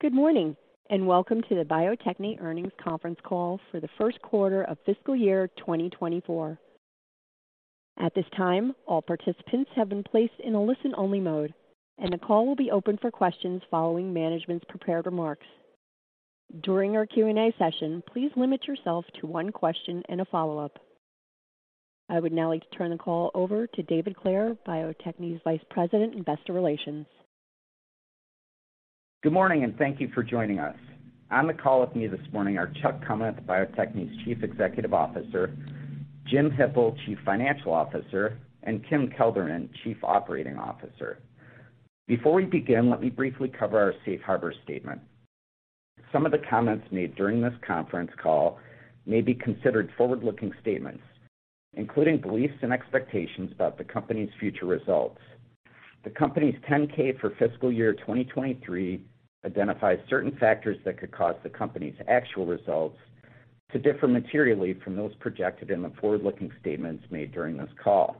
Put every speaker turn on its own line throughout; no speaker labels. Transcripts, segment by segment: Good morning, and welcome to the Bio-Techne Earnings Conference Call for the First Quarter of Fiscal Year 2024. At this time, all participants have been placed in a listen-only mode, and the call will be open for questions following management's prepared remarks. During our Q&A session, please limit yourself to one question and a follow-up. I would now like to turn the call over to David Clair, Bio-Techne's Vice President, Investor Relations.
Good morning, and thank you for joining us. On the call with me this morning are Chuck Kummeth, Bio-Techne's Chief Executive Officer, Jim Hippel, Chief Financial Officer, and Kim Kelderman, Chief Operating Officer. Before we begin, let me briefly cover our safe harbor statement. Some of the comments made during this conference call may be considered forward-looking statements, including beliefs and expectations about the company's future results. The company's 10-K for fiscal year 2023 identifies certain factors that could cause the company's actual results to differ materially from those projected in the forward-looking statements made during this call.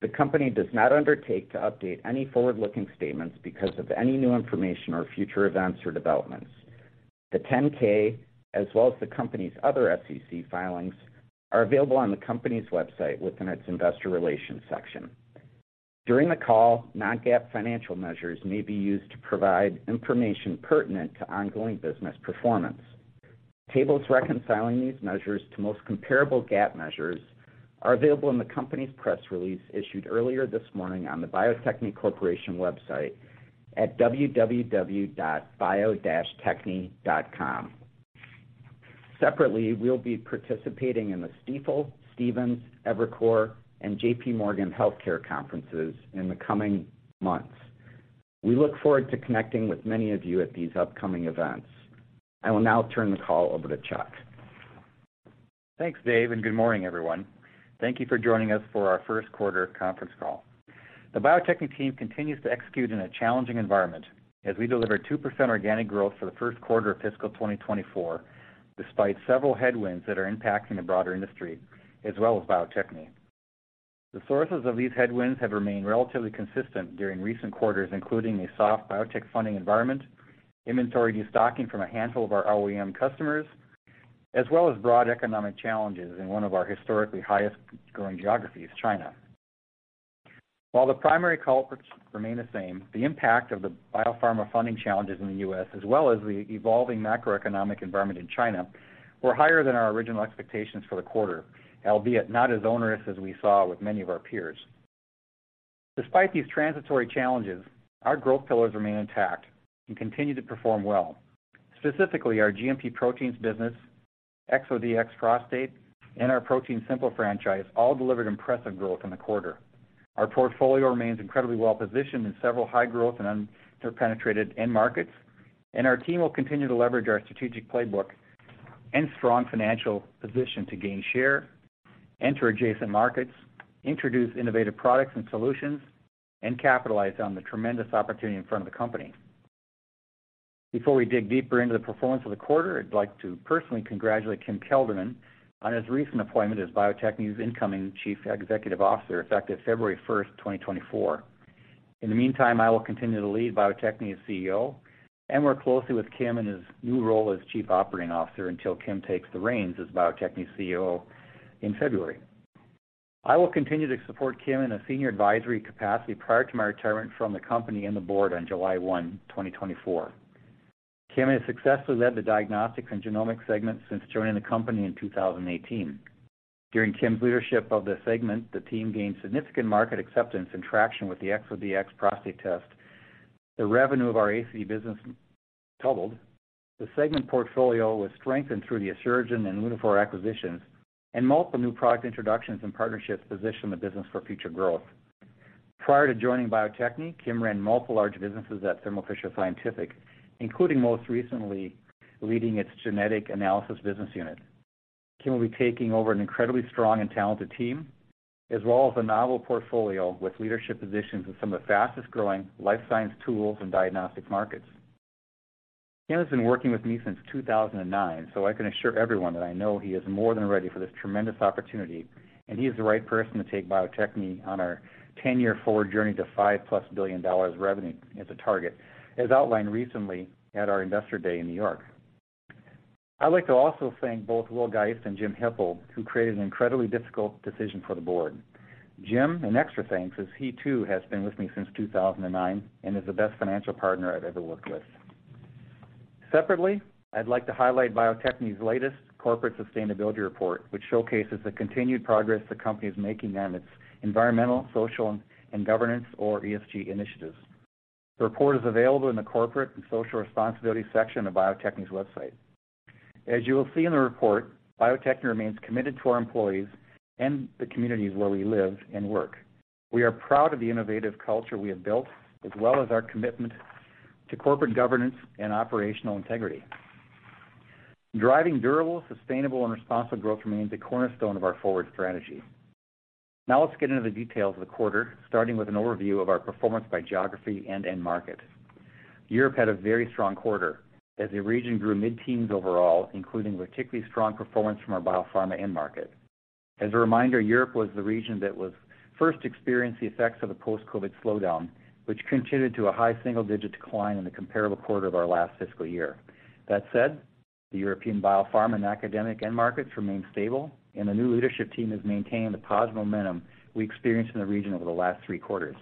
The company does not undertake to update any forward-looking statements because of any new information or future events or developments. The 10-K, as well as the company's other SEC filings, are available on the company's website within its investor relations section. During the call, non-GAAP financial measures may be used to provide information pertinent to ongoing business performance. Tables reconciling these measures to the most comparable GAAP measures are available in the company's press release issued earlier this morning on the Bio-Techne Corporation website at www.bio-techne.com. Separately, we'll be participating in the Stifel, Stephens, Evercore, and J.P. Morgan healthcare conferences in the coming months. We look forward to connecting with many of you at these upcoming events. I will now turn the call over to Chuck.
Thanks, Dave, and good morning, everyone. Thank you for joining us for our first quarter conference call. The Bio-Techne team continues to execute in a challenging environment as we deliver 2% organic growth for the first quarter of fiscal 2024, despite several headwinds that are impacting the broader industry, as well as Bio-Techne. The sources of these headwinds have remained relatively consistent during recent quarters, including a soft biotech funding environment, inventory destocking from a handful of our OEM customers, as well as broad economic challenges in one of our historically highest-growing geographies, China. While the primary culprits remain the same, the impact of the biopharma funding challenges in the U.S., as well as the evolving macroeconomic environment in China, were higher than our original expectations for the quarter, albeit not as onerous as we saw with many of our peers. Despite these transitory challenges, our growth pillars remain intact and continue to perform well. Specifically, our GMP proteins business, ExoDx Prostate, and our ProteinSimple franchise all delivered impressive growth in the quarter. Our portfolio remains incredibly well-positioned in several high-growth and underpenetrated end markets, and our team will continue to leverage our strategic playbook and strong financial position to gain share, enter adjacent markets, introduce innovative products and solutions, and capitalize on the tremendous opportunity in front of the company. Before we dig deeper into the performance of the quarter, I'd like to personally congratulate Kim Kelderman on his recent appointment as Bio-Techne's incoming Chief Executive Officer, effective February 1, 2024. In the meantime, I will continue to lead Bio-Techne as CEO and work closely with Kim in his new role as Chief Operating Officer until Kim takes the reins as Bio-Techne's CEO in February. I will continue to support Kim in a senior advisory capacity prior to my retirement from the company and the board on July 1, 2024. Kim has successfully led the diagnostic and genomic segment since joining the company in 2018. During Kim's leadership of the segment, the team gained significant market acceptance and traction with the ExoDx Prostate test. The revenue of our ACD business doubled. The segment portfolio was strengthened through the Asuragen and Lunaphore acquisitions, and multiple new product introductions and partnerships positioned the business for future growth. Prior to joining Bio-Techne, Kim ran multiple large businesses at Thermo Fisher Scientific, including most recently, leading its genetic analysis business unit. Kim will be taking over an incredibly strong and talented team, as well as a novel portfolio with leadership positions in some of the fastest-growing life science tools and diagnostic markets. Kim has been working with me since 2009, so I can assure everyone that I know he is more than ready for this tremendous opportunity, and he is the right person to take Bio-Techne on our 10-year forward journey to $5+ billion revenue as a target, as outlined recently at our Investor Day in New York. I'd like to also thank both Will Geist and Jim Hippel, who created an incredibly difficult decision for the board. Jim, an extra thanks, as he too has been with me since 2009 and is the best financial partner I've ever worked with. Separately, I'd like to highlight Bio-Techne's latest corporate sustainability report, which showcases the continued progress the company is making on its environmental, social, and governance, or ESG, initiatives. The report is available in the corporate and social responsibility section of Bio-Techne's website. As you will see in the report, Bio-Techne remains committed to our employees and the communities where we live and work. We are proud of the innovative culture we have built, as well as our commitment to corporate governance and operational integrity. Driving durable, sustainable, and responsible growth remains a cornerstone of our forward strategy. Now let's get into the details of the quarter, starting with an overview of our performance by geography and end market. Europe had a very strong quarter, as the region grew mid-teens overall, including particularly strong performance from our biopharma end market. As a reminder, Europe was the region that was first to experience the effects of the post-COVID slowdown, which contributed to a high single-digit decline in the comparable quarter of our last fiscal year. That said, the European biopharma and academic end markets remain stable, and the new leadership team has maintained the positive momentum we experienced in the region over the last three quarters.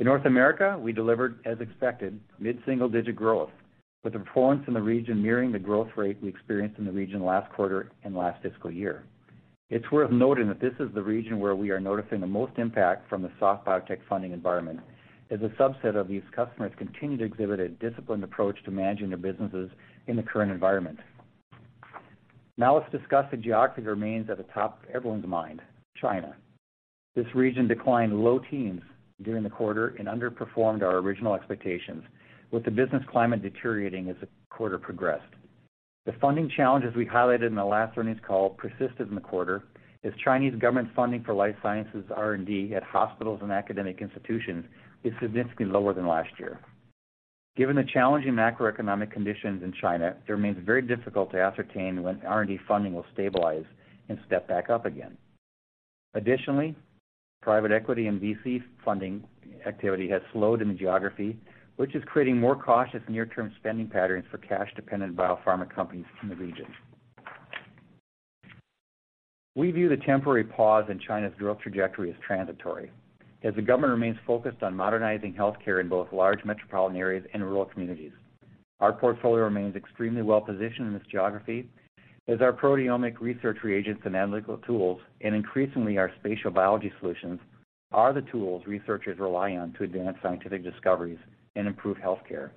In North America, we delivered, as expected, mid-single-digit growth, with the performance in the region nearing the growth rate we experienced in the region last quarter and last fiscal year. It's worth noting that this is the region where we are noticing the most impact from the soft biotech funding environment, as a subset of these customers continue to exhibit a disciplined approach to managing their businesses in the current environment. Now, let's discuss the geography that remains at the top of everyone's mind, China. This region declined low teens during the quarter and underperformed our original expectations, with the business climate deteriorating as the quarter progressed. The funding challenges we highlighted in the last earnings call persisted in the quarter, as Chinese government funding for life sciences R&D at hospitals and academic institutions is significantly lower than last year. Given the challenging macroeconomic conditions in China, it remains very difficult to ascertain when R&D funding will stabilize and step back up again. Additionally, private equity and VC funding activity has slowed in the geography, which is creating more cautious near-term spending patterns for cash-dependent biopharma companies in the region. We view the temporary pause in China's growth trajectory as transitory, as the government remains focused on modernizing healthcare in both large metropolitan areas and rural communities. Our portfolio remains extremely well positioned in this geography, as our proteomic research reagents and analytical tools, and increasingly our spatial biology solutions, are the tools researchers rely on to advance scientific discoveries and improve healthcare.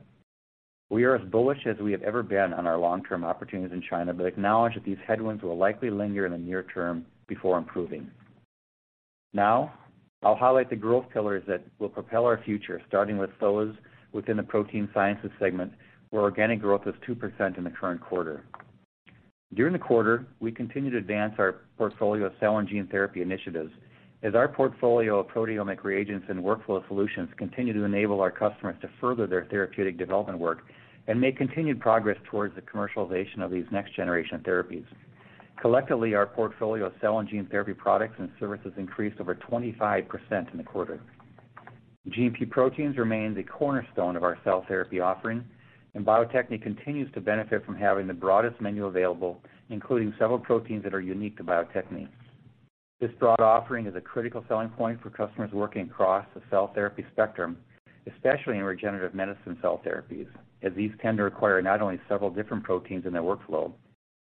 We are as bullish as we have ever been on our long-term opportunities in China, but acknowledge that these headwinds will likely linger in the near term before improving. Now, I'll highlight the growth pillars that will propel our future, starting with those within the Protein Sciences segment, where organic growth was 2% in the current quarter. During the quarter, we continued to advance our portfolio of cell and gene therapy initiatives, as our portfolio of proteomic reagents and workflow solutions continue to enable our customers to further their therapeutic development work and make continued progress towards the commercialization of these next-generation therapies. Collectively, our portfolio of cell and gene therapy products and services increased over 25% in the quarter. GMP proteins remain the cornerstone of our cell therapy offering, and Bio-Techne continues to benefit from having the broadest menu available, including several proteins that are unique to Bio-Techne. This broad offering is a critical selling point for customers working across the cell therapy spectrum, especially in regenerative medicine cell therapies, as these tend to require not only several different proteins in their workflow,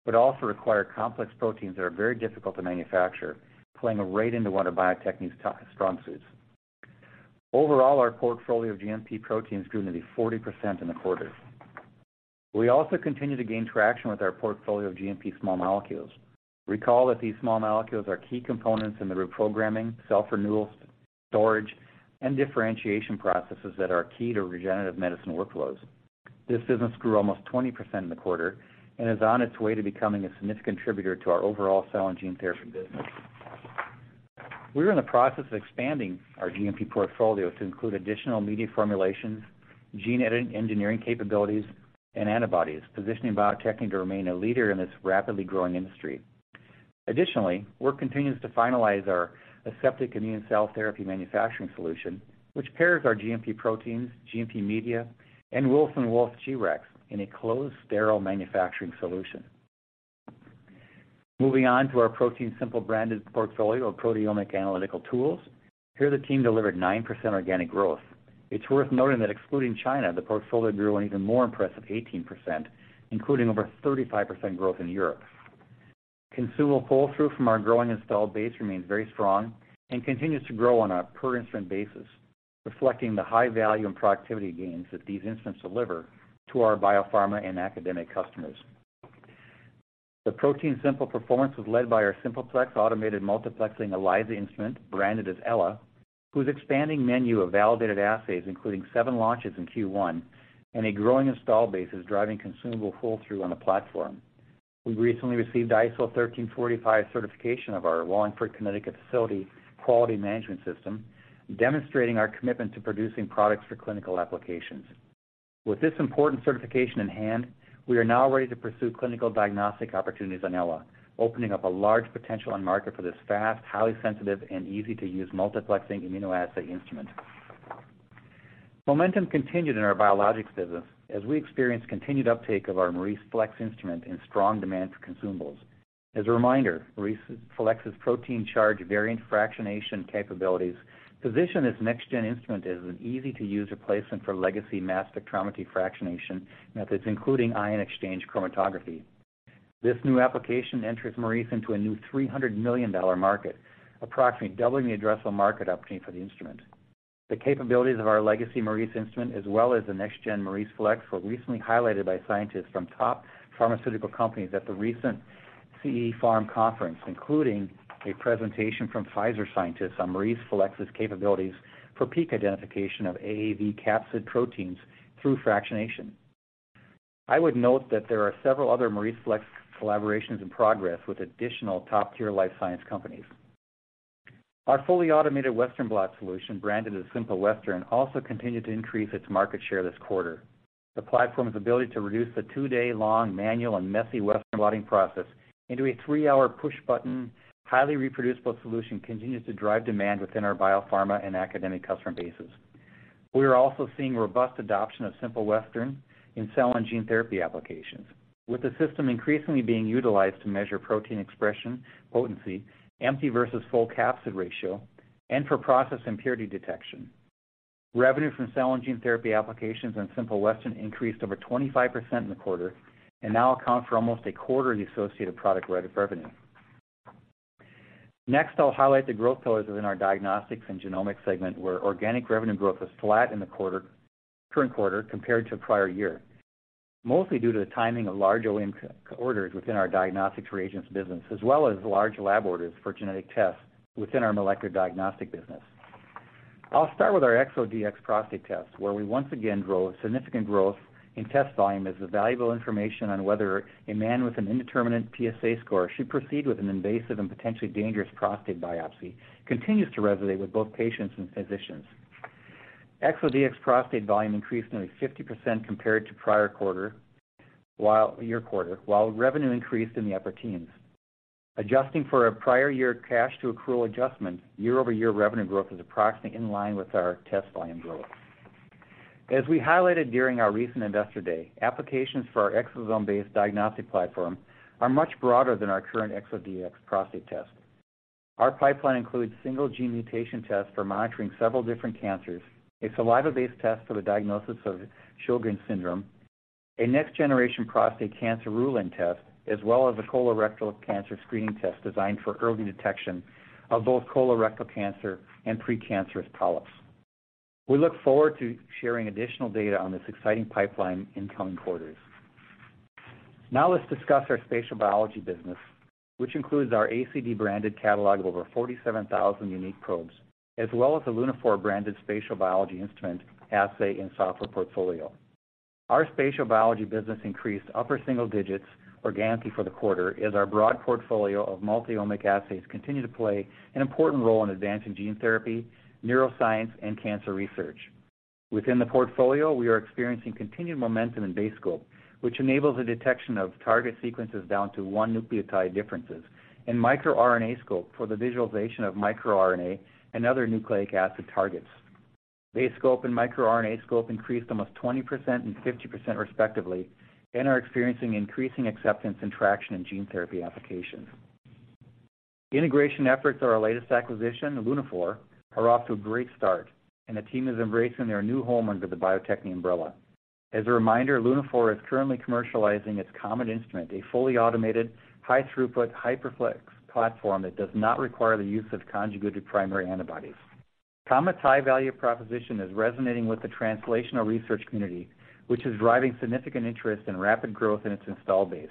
but also require complex proteins that are very difficult to manufacture, playing right into one of Bio-Techne's top strong suits. Overall, our portfolio of GMP proteins grew nearly 40% in the quarter. We also continue to gain traction with our portfolio of GMP small molecules. Recall that these small molecules are key components in the reprogramming, cell renewal, storage, and differentiation processes that are key to regenerative medicine workflows. This business grew almost 20% in the quarter and is on its way to becoming a significant contributor to our overall cell and gene therapy business. We are in the process of expanding our GMP portfolio to include additional media formulations, gene editing engineering capabilities, and antibodies, positioning Bio-Techne to remain a leader in this rapidly growing industry. Additionally, work continues to finalize our aseptic immune cell therapy manufacturing solution, which pairs our GMP proteins, GMP media, and Wilson Wolf G-Rex in a closed, sterile manufacturing solution. Moving on to our ProteinSimple-branded portfolio of proteomic analytical tools. Here, the team delivered 9% organic growth. It's worth noting that excluding China, the portfolio grew an even more impressive 18%, including over 35% growth in Europe. Consumable pull-through from our growing installed base remains very strong and continues to grow on a per-instrument basis, reflecting the high value and productivity gains that these instruments deliver to our biopharma and academic customers. The ProteinSimple performance was led by our Simple Plex automated multiplexing ELISA instrument, branded as Ella, whose expanding menu of validated assays, including seven launches in Q1 and a growing install base, is driving consumable pull-through on the platform. We recently received ISO 13485 certification of our Wallingford, Connecticut, facility quality management system, demonstrating our commitment to producing products for clinical applications. With this important certification in hand, we are now ready to pursue clinical diagnostic opportunities on Ella, opening up a large potential end market for this fast, highly sensitive, and easy-to-use multiplexing immunoassay instrument. Momentum continued in our biologics business, as we experienced continued uptake of our MauriceFlex instrument and strong demand for consumables. As a reminder, MauriceFlex's protein charge variant fractionation capabilities position this next-gen instrument as an easy-to-use replacement for legacy mass spectrometry fractionation methods, including ion exchange chromatography. This new application enters Maurice into a new $300 million market, approximately doubling the addressable market opportunity for the instrument. The capabilities of our legacy Maurice instrument, as well as the next-gen MauriceFlex, were recently highlighted by scientists from top pharmaceutical companies at the recent CE Pharm Conference, including a presentation from Pfizer scientists on MauriceFlex's capabilities for peak identification of AAV capsid proteins through fractionation. I would note that there are several other MauriceFlex collaborations in progress with additional top-tier life science companies. Our fully automated Western blot solution, branded as Simple Western, also continued to increase its market share this quarter. The platform's ability to reduce the two day-long manual and messy Western blotting process into a three hour push-button, highly reproducible solution, continues to drive demand within our biopharma and academic customer bases. We are also seeing robust adoption of Simple Western in Cell and Gene Therapy applications, with the system increasingly being utilized to measure protein expression, potency, empty versus full capsid ratio, and for process impurity detection. Revenue from Cell and Gene Therapy applications and Simple Western increased over 25% in the quarter and now account for almost a quarter of the associated product rate of revenue. Next, I'll highlight the growth pillars within our diagnostics and genomics segment, where organic revenue growth was flat in the quarter, current quarter compared to prior year, mostly due to the timing of large OEM orders within our diagnostics reagents business, as well as large lab orders for genetic tests within our molecular diagnostic business. I'll start with our ExoDx Prostate test, where we once again drove significant growth in test volume, as the valuable information on whether a man with an indeterminate PSA score should proceed with an invasive and potentially dangerous prostate biopsy, continues to resonate with both patients and physicians. ExoDx Prostate volume increased nearly 50% compared to prior year quarter, while revenue increased in the upper teens. Adjusting for a prior year cash to accrual adjustment, year-over-year revenue growth is approximately in line with our test volume growth. As we highlighted during our recent Investor Day, applications for our exosome-based diagnostic platform are much broader than our current ExoDx prostate test. Our pipeline includes single gene mutation tests for monitoring several different cancers, a saliva-based test for the diagnosis of Sjogren's syndrome, a next-generation prostate cancer rule-in test, as well as a colorectal cancer screening test designed for early detection of both colorectal cancer and precancerous polyps. We look forward to sharing additional data on this exciting pipeline in coming quarters. Now, let's discuss our spatial biology business, which includes our ACD-branded catalog of over 47,000 unique probes, as well as the Lunaphore-branded spatial biology instrument, assay, and software portfolio. Our spatial biology business increased upper single-digits organically for the quarter, as our broad portfolio of multi-omic assays continue to play an important role in advancing gene therapy, neuroscience, and cancer research. Within the portfolio, we are experiencing continued momentum in BaseScope, which enables the detection of target sequences down to one nucleotide differences, and microRNAscope for the visualization of microRNA and other nucleic acid targets. BaseScope and microRNAscope increased almost 20% and 50%, respectively, and are experiencing increasing acceptance and traction in gene therapy applications. Integration efforts of our latest acquisition, Lunaphore, are off to a great start, and the team is embracing their new home under the Bio-Techne umbrella. As a reminder, Lunaphore is currently commercializing its COMET instrument, a fully automated, high-throughput, hyperplex platform that does not require the use of conjugated primary antibodies. COMET's high value proposition is resonating with the translational research community, which is driving significant interest and rapid growth in its installed base.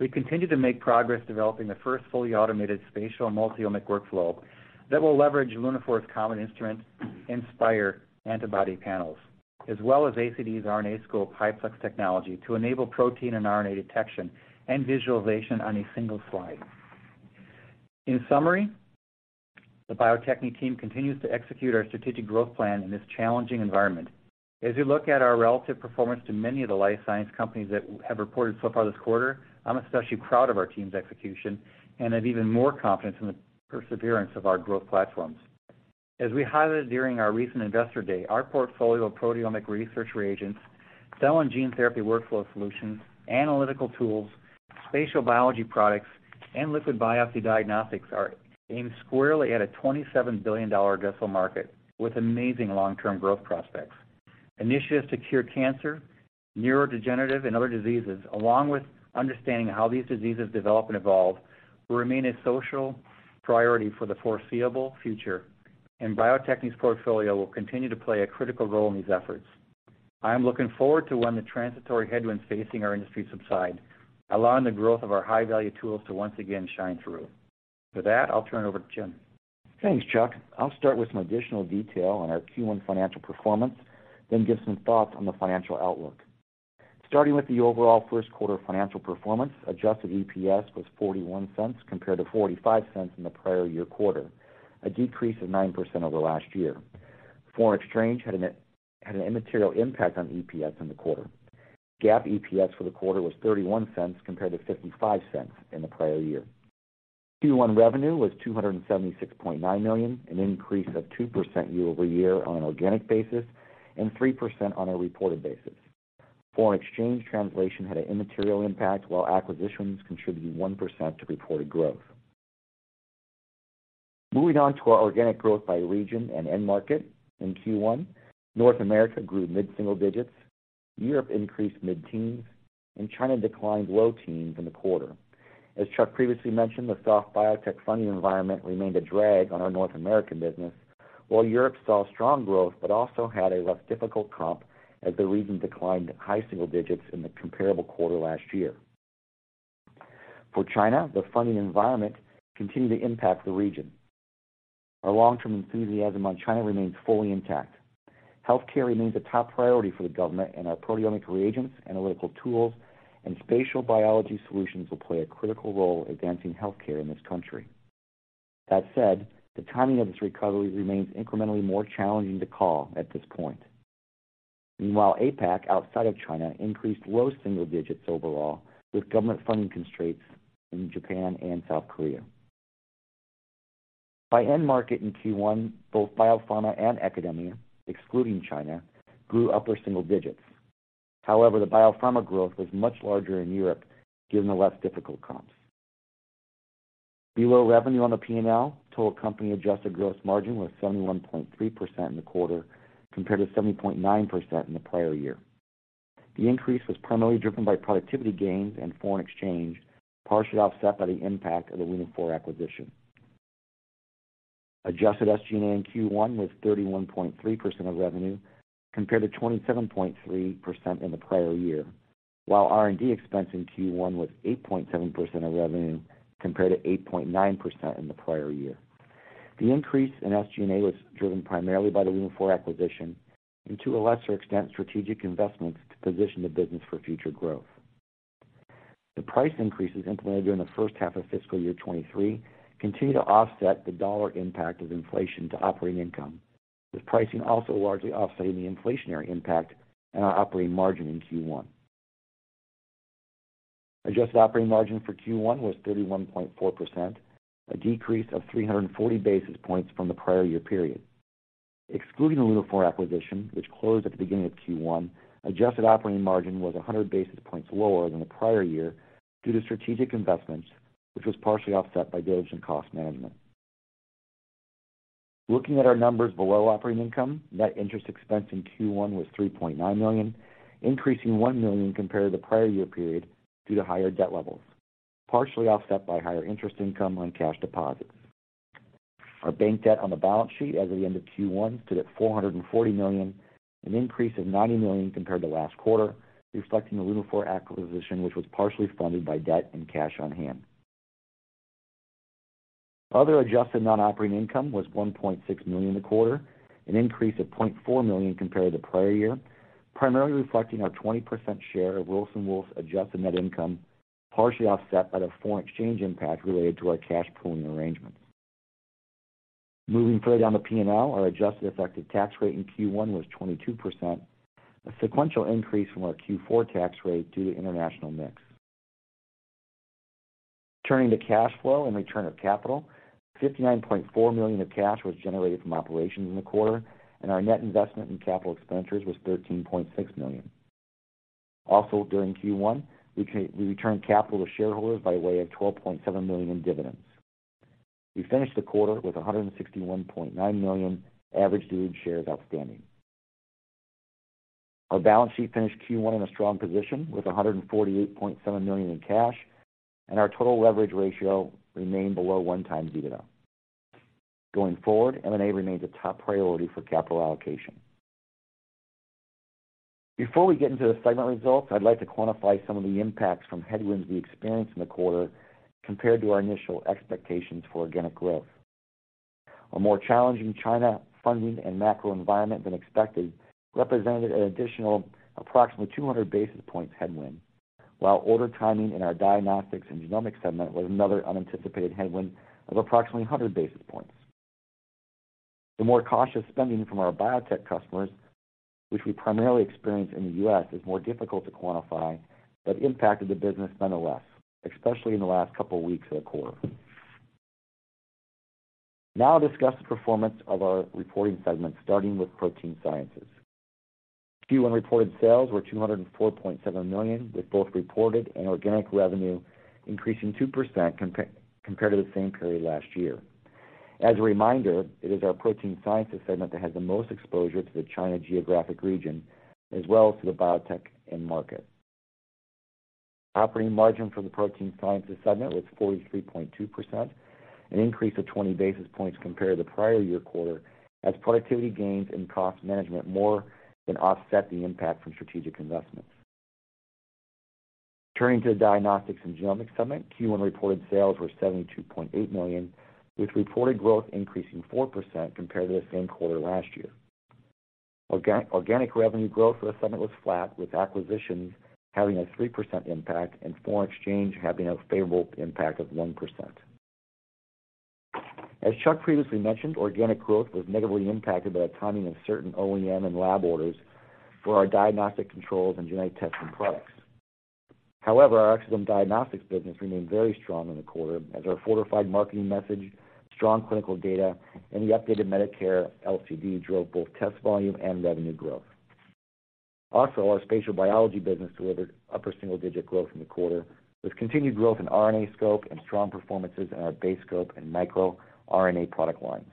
We continue to make progress developing the first fully automated spatial multi-omic workflow that will leverage Lunaphore's COMET instrument, SPYRE antibody panels, as well as ACD's RNAscope HiPlex technology, to enable protein and RNA detection and visualization on a single slide. In summary, the Bio-Techne team continues to execute our strategic growth plan in this challenging environment. As you look at our relative performance to many of the life science companies that have reported so far this quarter, I'm especially proud of our team's execution and have even more confidence in the perseverance of our growth platforms. As we highlighted during our recent Investor Day, our portfolio of proteomic research reagents, Cell and gene therapy workflow solutions, analytical tools, spatial biology products, and liquid biopsy diagnostics are aimed squarely at a $27 billion addressable market with amazing long-term growth prospects. Initiatives to cure cancer, neurodegenerative, and other diseases, along with understanding how these diseases develop and evolve, will remain a social priority for the foreseeable future, and Bio-Techne's portfolio will continue to play a critical role in these efforts. I am looking forward to when the transitory headwinds facing our industry subside, allowing the growth of our high-value tools to once again shine through. With that, I'll turn it over to Jim.
Thanks, Chuck. I'll start with some additional detail on our Q1 financial performance, then give some thoughts on the financial outlook. Starting with the overall first quarter financial performance, adjusted EPS was $0.41 compared to $0.45 in the prior year quarter, a decrease of 9% over last year. Foreign exchange had an immaterial impact on EPS in the quarter. GAAP EPS for the quarter was $0.31, compared to $0.55 in the prior year. Q1 revenue was $276.9 million, an increase of 2% year-over-year on an organic basis and 3% on a reported basis. Foreign exchange translation had an immaterial impact, while acquisitions contributed 1% to reported growth. Moving on to our organic growth by region and end market. In Q1, North America grew mid-single digits, Europe increased mid-teens, and China declined low teens in the quarter. As Chuck previously mentioned, the soft biotech funding environment remained a drag on our North American business, while Europe saw strong growth, but also had a less difficult comp as the region declined high single digits in the comparable quarter last year. For China, the funding environment continued to impact the region. Our long-term enthusiasm on China remains fully intact.... Healthcare remains a top priority for the government, and our proteomic reagents, analytical tools, and spatial biology solutions will play a critical role in advancing healthcare in this country. That said, the timing of this recovery remains incrementally more challenging to call at this point. Meanwhile, APAC, outside of China, increased low-single digits overall, with government funding constraints in Japan and South Korea. By end market in Q1, both biopharma and academia, excluding China, grew upper single digits. However, the biopharma growth was much larger in Europe, given the less difficult comps. Below revenue on the P&L, total company adjusted gross margin was 71.3% in the quarter, compared to 70.9% in the prior year. The increase was primarily driven by productivity gains and foreign exchange, partially offset by the impact of the Lunaphore acquisition. Adjusted SG&A in Q1 was 31.3% of revenue, compared to 27.3% in the prior year, while R&D expense in Q1 was 8.7% of revenue, compared to 8.9% in the prior year. The increase in SG&A was driven primarily by the Lunaphore acquisition, and to a lesser extent, strategic investments to position the business for future growth. The price increases implemented during the first half of fiscal year 2023 continue to offset the dollar impact of inflation to operating income, with pricing also largely offsetting the inflationary impact on our operating margin in Q1. Adjusted operating margin for Q1 was 31.4%, a decrease of 340 basis points from the prior year period. Excluding the Lunaphore acquisition, which closed at the beginning of Q1, adjusted operating margin was 100 basis points lower than the prior year due to strategic investments, which was partially offset by gains in cost management. Looking at our numbers below operating income, net interest expense in Q1 was $3.9 million, increasing $1 million compared to the prior year period due to higher debt levels, partially offset by higher interest income on cash deposits. Our bank debt on the balance sheet as of the end of Q1 stood at $440 million, an increase of $90 million compared to last quarter, reflecting the Lunaphore acquisition, which was partially funded by debt and cash on hand. Other adjusted non-operating income was $1.6 million in the quarter, an increase of $0.4 million compared to the prior year, primarily reflecting our 20% share of Wilson Wolf's adjusted net income, partially offset by the foreign exchange impact related to our cash pooling arrangement. Moving further down the P&L, our adjusted effective tax rate in Q1 was 22%, a sequential increase from our Q4 tax rate due to international mix. Turning to cash flow and return of capital, $59.4 million of cash was generated from operations in the quarter, and our net investment in capital expenditures was $13.6 million. Also, during Q1, we returned capital to shareholders by way of $12.7 million in dividends. We finished the quarter with 161.9 million average diluted shares outstanding. Our balance sheet finished Q1 in a strong position, with $148.7 million in cash, and our total leverage ratio remained below 1x EBITDA. Going forward, M&A remains a top priority for capital allocation. Before we get into the segment results, I'd like to quantify some of the impacts from headwinds we experienced in the quarter compared to our initial expectations for organic growth. A more challenging China funding and macro environment than expected represented an additional approximately 200 basis points headwind, while order timing in our Diagnostics and Genomics segment was another unanticipated headwind of approximately 100 basis points. The more cautious spending from our biotech customers, which we primarily experienced in the U.S., is more difficult to quantify, but impacted the business nonetheless, especially in the last couple of weeks of the quarter. Now I'll discuss the performance of our reporting segments, starting with Protein Sciences. Q1 reported sales were $204.7 million, with both reported and organic revenue increasing 2% compared to the same period last year. As a reminder, it is our Protein Sciences segment that has the most exposure to the China geographic region, as well as to the biotech end market. Operating margin for the protein sciences segment was 43.2%, an increase of 20 basis points compared to the prior year quarter, as productivity gains and cost management more than offset the impact from strategic investments. Turning to the diagnostics and genomics segment, Q1 reported sales were $72.8 million, with reported growth increasing 4% compared to the same quarter last year. Organic revenue growth for the segment was flat, with acquisitions having a 3% impact and foreign exchange having a favorable impact of 1%. As Chuck previously mentioned, organic growth was negatively impacted by the timing of certain OEM and lab orders for our diagnostic controls and genetic testing products. However, our ExoDx diagnostics business remained very strong in the quarter, as our fortified marketing message, strong clinical data, and the updated Medicare LCD drove both test volume and revenue growth. Also, our spatial biology business delivered upper single-digit growth in the quarter, with continued growth in RNAscope and strong performances in our BaseScope and microRNAscope product lines.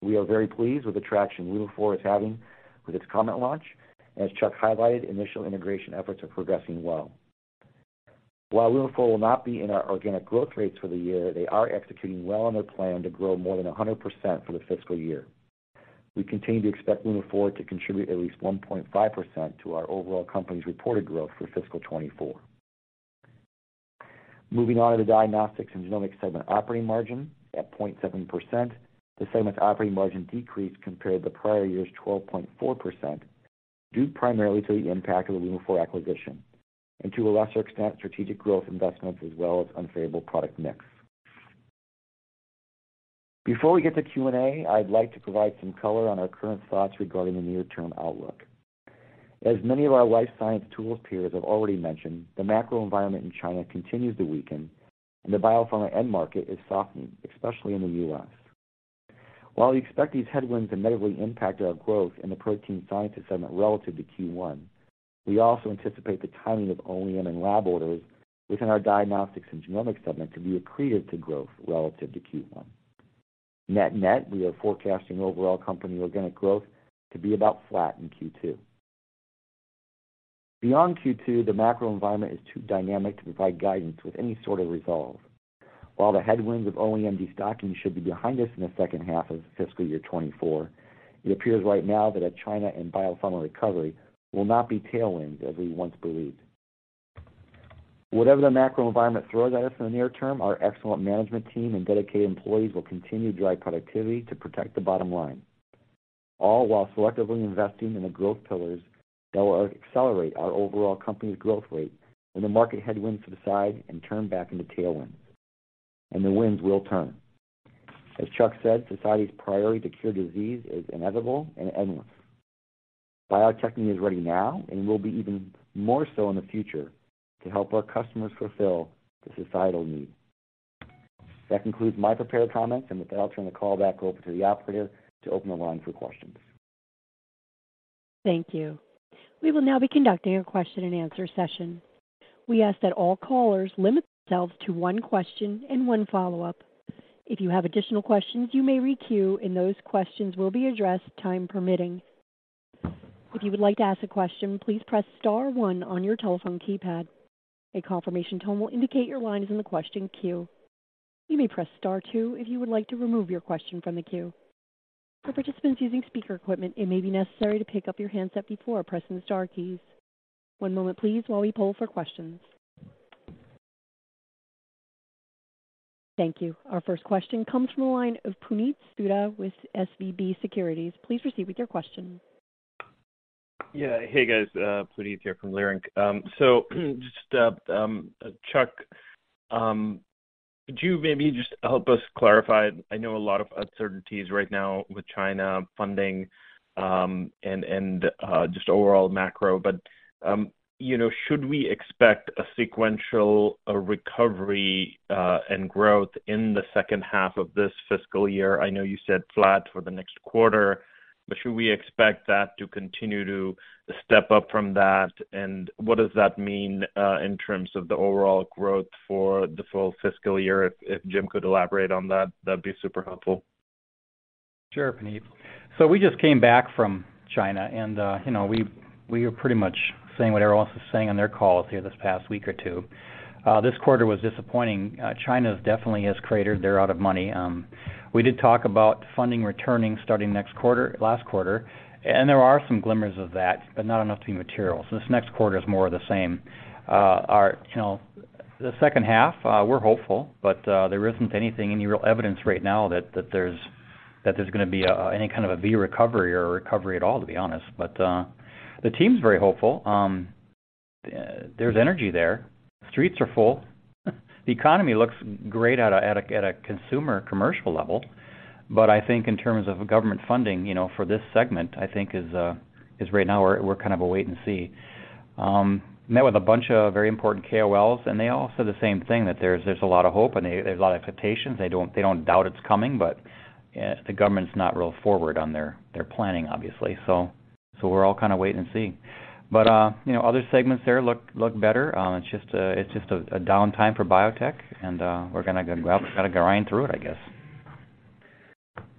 We are very pleased with the traction Lunaphore is having with its COMET launch. As Chuck highlighted, initial integration efforts are progressing well. While Lunaphore will not be in our organic growth rates for the year, they are executing well on their plan to grow more than 100% for the fiscal year. We continue to expect Lunaphore to contribute at least 1.5% to our overall company's reported growth for fiscal 2024.... Moving on to the Diagnostics and Genomics segment operating margin at 0.7%. The segment's operating margin decreased compared to the prior year's 12.4%, due primarily to the impact of the Lunaphore acquisition and, to a lesser extent, strategic growth investments as well as unfavorable product mix. Before we get to Q&A, I'd like to provide some color on our current thoughts regarding the near-term outlook. As many of our life science tool peers have already mentioned, the macro environment in China continues to weaken, and the biopharma end market is softening, especially in the U.S. While we expect these headwinds to negatively impact our growth in the protein sciences segment relative to Q1, we also anticipate the timing of OEM and lab orders within our diagnostics and genomics segment to be accretive to growth relative to Q1. Net-net, we are forecasting overall company organic growth to be about flat in Q2. Beyond Q2, the macro environment is too dynamic to provide guidance with any sort of resolve. While the headwinds of OEM destocking should be behind us in the second half of fiscal year 2024, it appears right now that a China and biopharma recovery will not be tailwinds as we once believed. Whatever the macro environment throws at us in the near term, our excellent management team and dedicated employees will continue to drive productivity to protect the bottom line, all while selectively investing in the growth pillars that will accelerate our overall company's growth rate when the market headwinds subside and turn back into tailwinds, and the winds will turn. As Chuck said, society's priority to cure disease is inevitable and endless. Bio-Techne is ready now and will be even more so in the future to help our customers fulfill the societal need. That concludes my prepared comments, and with that, I'll turn the call back over to the operator to open the line for questions.
Thank you. We will now be conducting a question-and-answer session. We ask that all callers limit themselves to one question and one follow-up. If you have additional questions, you may re-queue, and those questions will be addressed, time permitting. If you would like to ask a question, please press star one on your telephone keypad. A confirmation tone will indicate your line is in the question queue. You may press star two if you would like to remove your question from the queue. For participants using speaker equipment, it may be necessary to pick up your handset before pressing the star keys. One moment please while we poll for questions. Thank you. Our first question comes from the line of Puneet Souda with SVB Securities. Please proceed with your question.
Yeah. Hey, guys, Puneet here from Leerink. So just, Chuck, could you maybe just help us clarify? I know a lot of uncertainties right now with China funding, and, and, just overall macro, but, you know, should we expect a sequential, recovery, and growth in the second half of this fiscal year? I know you said flat for the next quarter, but should we expect that to continue to step up from that? And what does that mean, in terms of the overall growth for the full fiscal year? If, if Jim could elaborate on that, that'd be super helpful.
Sure, Puneet. So we just came back from China, and you know, we are pretty much saying what everyone else is saying on their calls here this past week or two. This quarter was disappointing. China definitely has cratered. They're out of money. We did talk about funding returning starting next quarter, last quarter, and there are some glimmers of that, but not enough to be material. So this next quarter is more of the same. Our, you know, the second half, we're hopeful, but there isn't anything, any real evidence right now that that there's gonna be any kind of a V recovery or recovery at all, to be honest. But the team's very hopeful. There's energy there. Streets are full. The economy looks great at a consumer commercial level. But I think in terms of government funding, you know, for this segment, I think is right now we're kind of a wait and see. Met with a bunch of very important KOLs, and they all said the same thing, that there's a lot of hope and there's a lot of expectations. They don't doubt it's coming, but the government's not real forward on their planning, obviously. So we're all kind of wait and see. But you know, other segments there look better. It's just a downtime for biotech, and we're gonna go. We're gonna grind through it, I guess.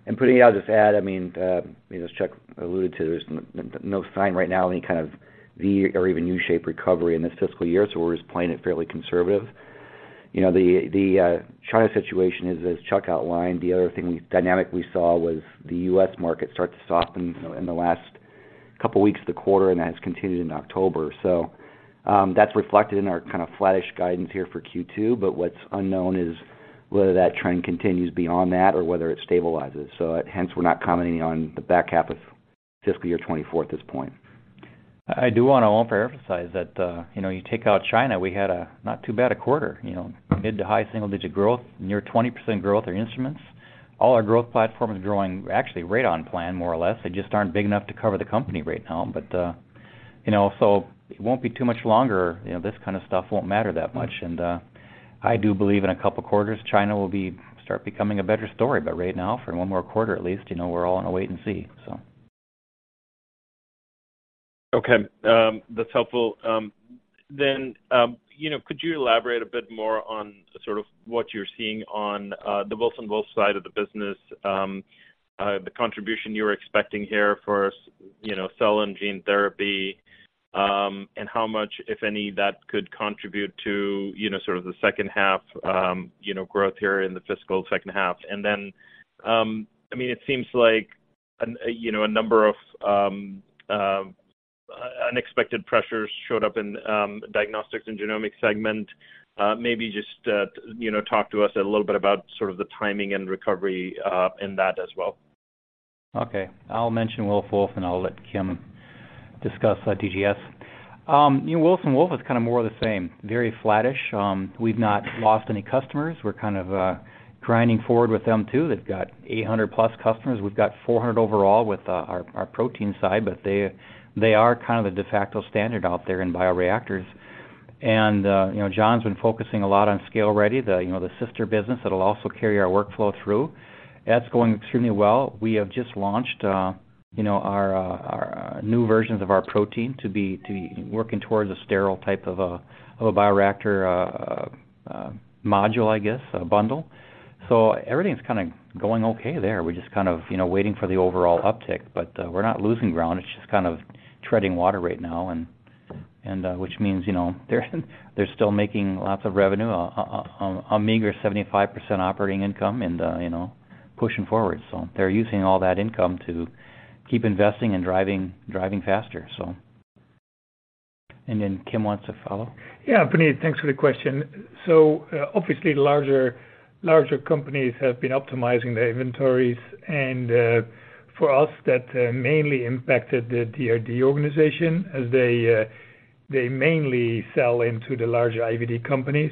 And Puneet, I'll just add, I mean, you know, as Chuck alluded to, there's no sign right now any kind of V or even U-shaped recovery in this fiscal year, so we're just playing it fairly conservative. You know, the China situation is, as Chuck outlined, the other thing dynamic we saw was the U.S. market start to soften in the last couple of weeks of the quarter, and that has continued in October. So, that's reflected in our kind of flattish guidance here for Q2. But what's unknown is whether that trend continues beyond that or whether it stabilizes. So hence, we're not commenting on the back half of fiscal year 2024 at this point.
I do want to also emphasize that, you know, you take out China, we had a not too bad a quarter, you know, mid- to high-single-digit growth, near 20% growth in instruments. All our growth platforms are growing actually right on plan, more or less. They just aren't big enough to cover the company right now. But, you know, so it won't be too much longer, you know, this kind of stuff won't matter that much. And, I do believe in a couple of quarters, China will be, start becoming a better story. But right now, for one more quarter at least, you know, we're all in a wait and see, so.
Okay, that's helpful. Then, you know, could you elaborate a bit more on sort of what you're seeing on the Wilson Wolf side of the business? The contribution you're expecting here for, you know, cell and gene therapy, and how much, if any, that could contribute to, you know, sort of the second half, you know, growth here in the fiscal second half. And then, I mean, it seems like, you know, a number of,... unexpected pressures showed up in Diagnostics and Genomics segment. Maybe just, you know, talk to us a little bit about sort of the timing and recovery in that as well.
Okay. I'll mention Wilson Wolf, and I'll let Kim discuss DGS. You know, Wilson Wolf is kind of more of the same, very flattish. We've not lost any customers. We're kind of grinding forward with them, too. They've got 800+ customers. We've got 400 overall with our protein side, but they are kind of the de facto standard out there in bioreactors. And you know, John's been focusing a lot on ScaleReady, the you know, the sister business that'll also carry our workflow through. That's going extremely well. We have just launched you know, our our new versions of our protein to be working towards a sterile type of a bioreactor module, I guess, a bundle. So everything's kind of going okay there. We're just kind of, you know, waiting for the overall uptick, but we're not losing ground. It's just kind of treading water right now, and which means, you know, they're still making lots of revenue, a meager 75% operating income and, you know, pushing forward. So they're using all that income to keep investing and driving faster, so... And then Kim wants to follow?
Yeah, Puneet, thanks for the question. So, obviously, larger companies have been optimizing their inventories, and for us, that mainly impacted the DRD organization as they mainly sell into the larger IVD companies.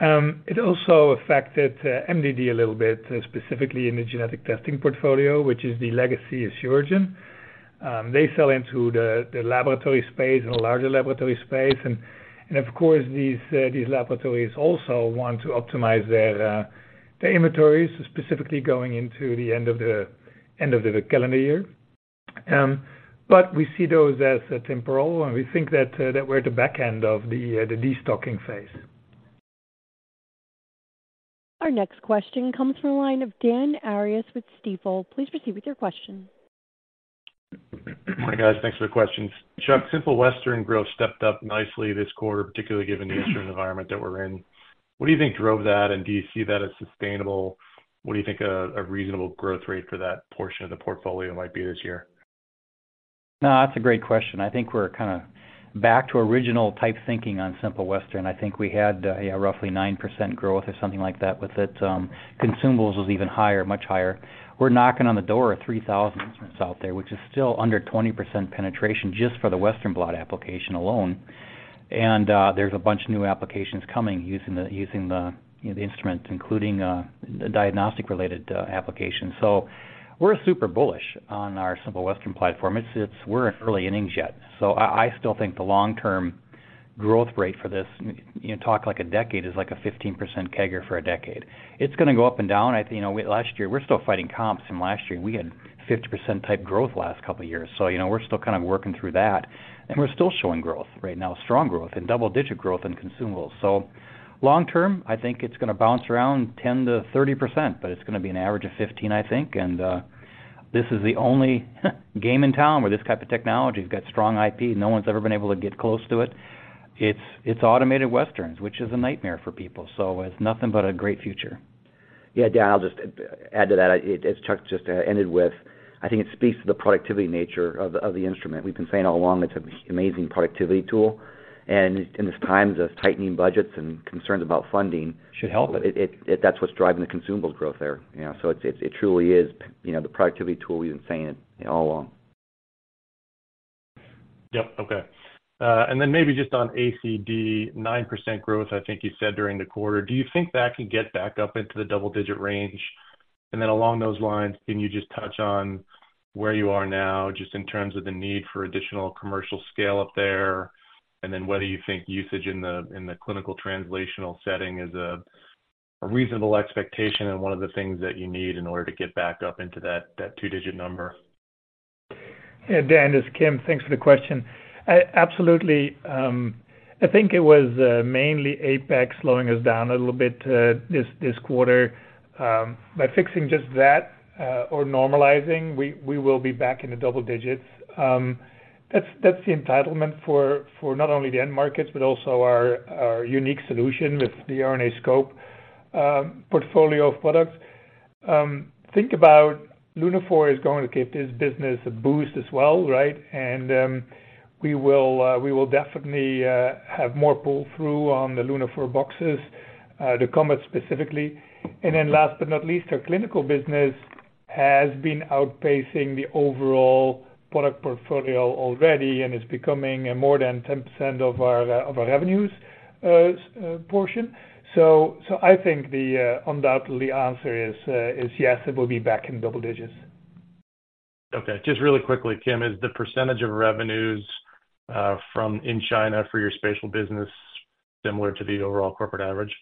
It also affected MDD a little bit, specifically in the genetic testing portfolio, which is the legacy of Asuragen. They sell into the laboratory space and the larger laboratory space. And, of course, these laboratories also want to optimize their inventories, specifically going into the end of the calendar year. But we see those as temporal, and we think that we're at the back end of the destocking phase.
Our next question comes from the line of Dan Arias with Stifel. Please proceed with your question.
Hi, guys. Thanks for the questions. Chuck, Simple Western growth stepped up nicely this quarter, particularly given the instrument environment that we're in. What do you think drove that, and do you see that as sustainable? What do you think a reasonable growth rate for that portion of the portfolio might be this year?
No, that's a great question. I think we're kind of back to original type thinking on Simple Western. I think we had roughly 9% growth or something like that with it. Consumables was even higher, much higher. We're knocking on the door of 3,000 out there, which is still under 20% penetration just for the Western blot application alone. And there's a bunch of new applications coming, using the instruments, including the diagnostic-related applications. So we're super bullish on our Simple Western platform. It's... We're in early innings yet, so I still think the long-term growth rate for this, you know, talk like a decade, is like a 15% CAGR for a decade. It's going to go up and down. You know, last year we're still fighting comps from last year. We had 50% type growth last couple of years. So, you know, we're still kind of working through that, and we're still showing growth right now, strong growth and double-digit growth in consumables. So long term, I think it's going to bounce around 10%-30%, but it's going to be an average of 15, I think. And this is the only game in town where this type of technology has got strong IP. No one's ever been able to get close to it. It's automated Westerns, which is a nightmare for people, so it's nothing but a great future.
Yeah, Dan, I'll just add to that. As Chuck just ended with, I think it speaks to the productivity nature of the instrument. We've been saying all along, it's an amazing productivity tool, and in this times of tightening budgets and concerns about funding-
Should help it.
It, that's what's driving the consumables growth there. You know, so it truly is, you know, the productivity tool. We've been saying it all along.
Yep. Okay. And then maybe just on ACD, 9% growth, I think you said, during the quarter. Do you think that could get back up into the double-digit range? And then along those lines, can you just touch on where you are now, just in terms of the need for additional commercial scale up there? And then what do you think usage in the clinical translational setting is a reasonable expectation and one of the things that you need in order to get back up into that two-digit number?
Yeah, Dan, it's Kim. Thanks for the question. Absolutely, I think it was mainly APAC slowing us down a little bit this quarter. By fixing just that, or normalizing, we will be back in the double-digits. That's the entitlement for not only the end markets, but also our unique solution with the RNAscope portfolio of products. Think about Lunaphore is going to give this business a boost as well, right? And we will definitely have more pull-through on the Lunaphore boxes, the COMET specifically. And then last but not least, our clinical business has been outpacing the overall product portfolio already, and it's becoming more than 10% of our revenues portion. So, I think the undoubtedly answer is yes, it will be back in double-digits.
Okay. Just really quickly, Kim, is the percentage of revenues from in China for your spatial business similar to the overall corporate average?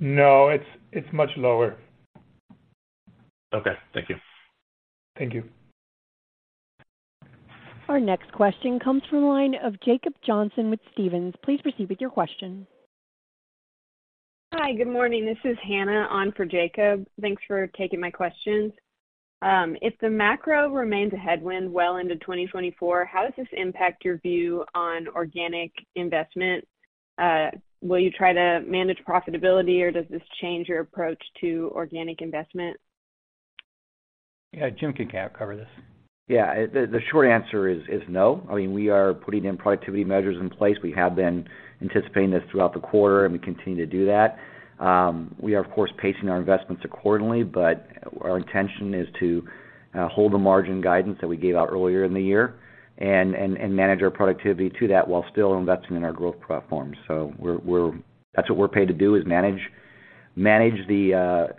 No, it's much lower.
Okay, thank you.
Thank you.
Our next question comes from the line of Jacob Johnson with Stephens. Please proceed with your question.
Hi, good morning. This is Hannah on for Jacob. Thanks for taking my questions. If the macro remains a headwind well into 2024, how does this impact your view on organic investment? Will you try to manage profitability, or does this change your approach to organic investment?...
Yeah, Jim, can I cover this?
Yeah, the short answer is no. I mean, we are putting in productivity measures in place. We have been anticipating this throughout the quarter, and we continue to do that. We are, of course, pacing our investments accordingly, but our intention is to hold the margin guidance that we gave out earlier in the year and manage our productivity to that while still investing in our growth platforms. So we're—That's what we're paid to do, is manage the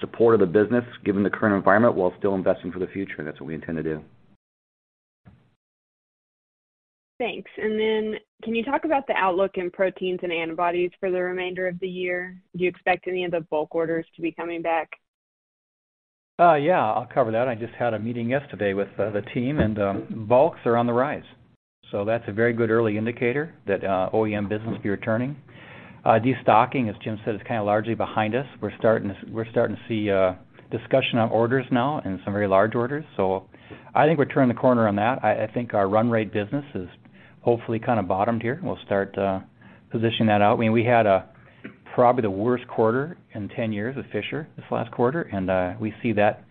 support of the business, given the current environment, while still investing for the future, and that's what we intend to do.
Thanks. And then, can you talk about the outlook in proteins and antibodies for the remainder of the year? Do you expect any of the bulk orders to be coming back?
Yeah, I'll cover that. I just had a meeting yesterday with the team, and bulks are on the rise. So that's a very good early indicator that OEM business will be returning. Destocking, as Jim said, is kinda largely behind us. We're starting to see discussion on orders now and some very large orders. So I think we're turning the corner on that. I think our run rate business is hopefully kinda bottomed here, and we'll start to position that out. I mean, we had probably the worst quarter in 10 years at Fisher, this last quarter, and we see that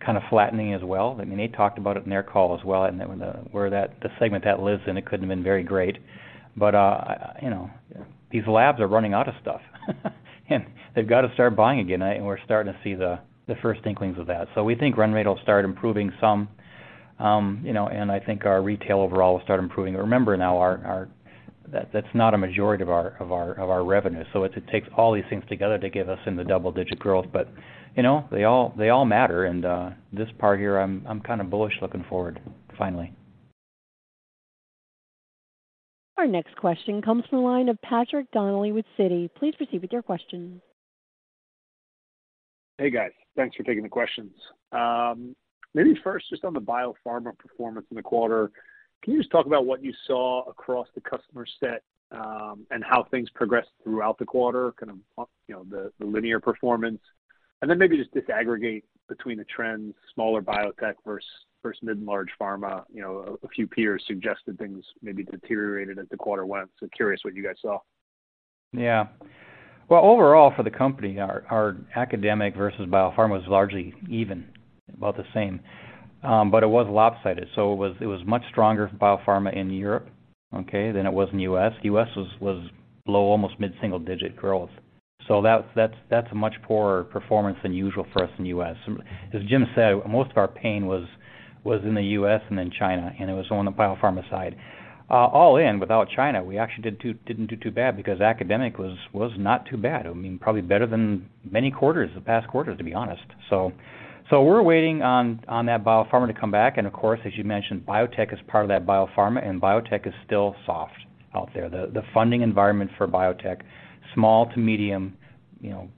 kind of flattening as well. I mean, they talked about it in their call as well, and the segment that lives in it couldn't have been very great. But, you know, these labs are running out of stuff, and they've got to start buying again, and we're starting to see the first inklings of that. So we think run rate will start improving some, you know, and I think our retail overall will start improving. Remember, now, our-- that's not a majority of our revenue, so it takes all these things together to get us in the double-digit growth. But, you know, they all matter, and this part here, I'm kind of bullish looking forward, finally.
Our next question comes from the line of Patrick Donnelly with Citi. Please proceed with your question.
Hey, guys. Thanks for taking the questions. Maybe first, just on the biopharma performance in the quarter, can you just talk about what you saw across the customer set, and how things progressed throughout the quarter, kind of, you know, the linear performance? And then maybe just disaggregate between the trends, smaller biotech versus mid and large pharma. You know, a few peers suggested things maybe deteriorated as the quarter went. So curious what you guys saw.
Yeah. Well, overall, for the company, our academic versus biopharma was largely even, about the same, but it was lopsided. So it was much stronger for biopharma in Europe, okay, than it was in U.S. U.S. was low, almost mid-single-digit growth. So that's a much poorer performance than usual for us in U.S. As Jim said, most of our pain was in the U.S. and then China, and it was on the biopharma side. All in, without China, we actually didn't do too bad because academic was not too bad. I mean, probably better than many quarters, the past quarters, to be honest. So we're waiting on that biopharma to come back, and of course, as you mentioned, biotech is part of that biopharma, and biotech is still soft out there. The funding environment for biotech, small to medium, you know,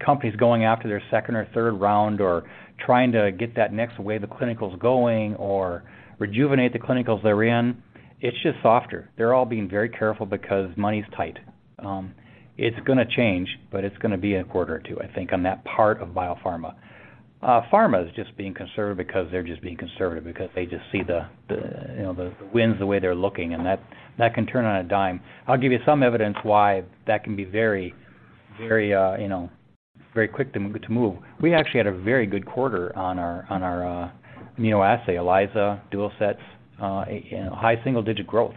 companies going after their second or third round or trying to get that next wave of clinicals going or rejuvenate the clinicals they're in, it's just softer. They're all being very careful because money's tight. It's gonna change, but it's gonna be a quarter or two, I think, on that part of biopharma. Pharma is just being conservative because they're just being conservative because they just see the, the, you know, the winds, the way they're looking, and that, that can turn on a dime. I'll give you some evidence why that can be very, very, you know, very quick to move. We actually had a very good quarter on our immunoassay, ELISA, DuoSets, you know, high-single-digit growth,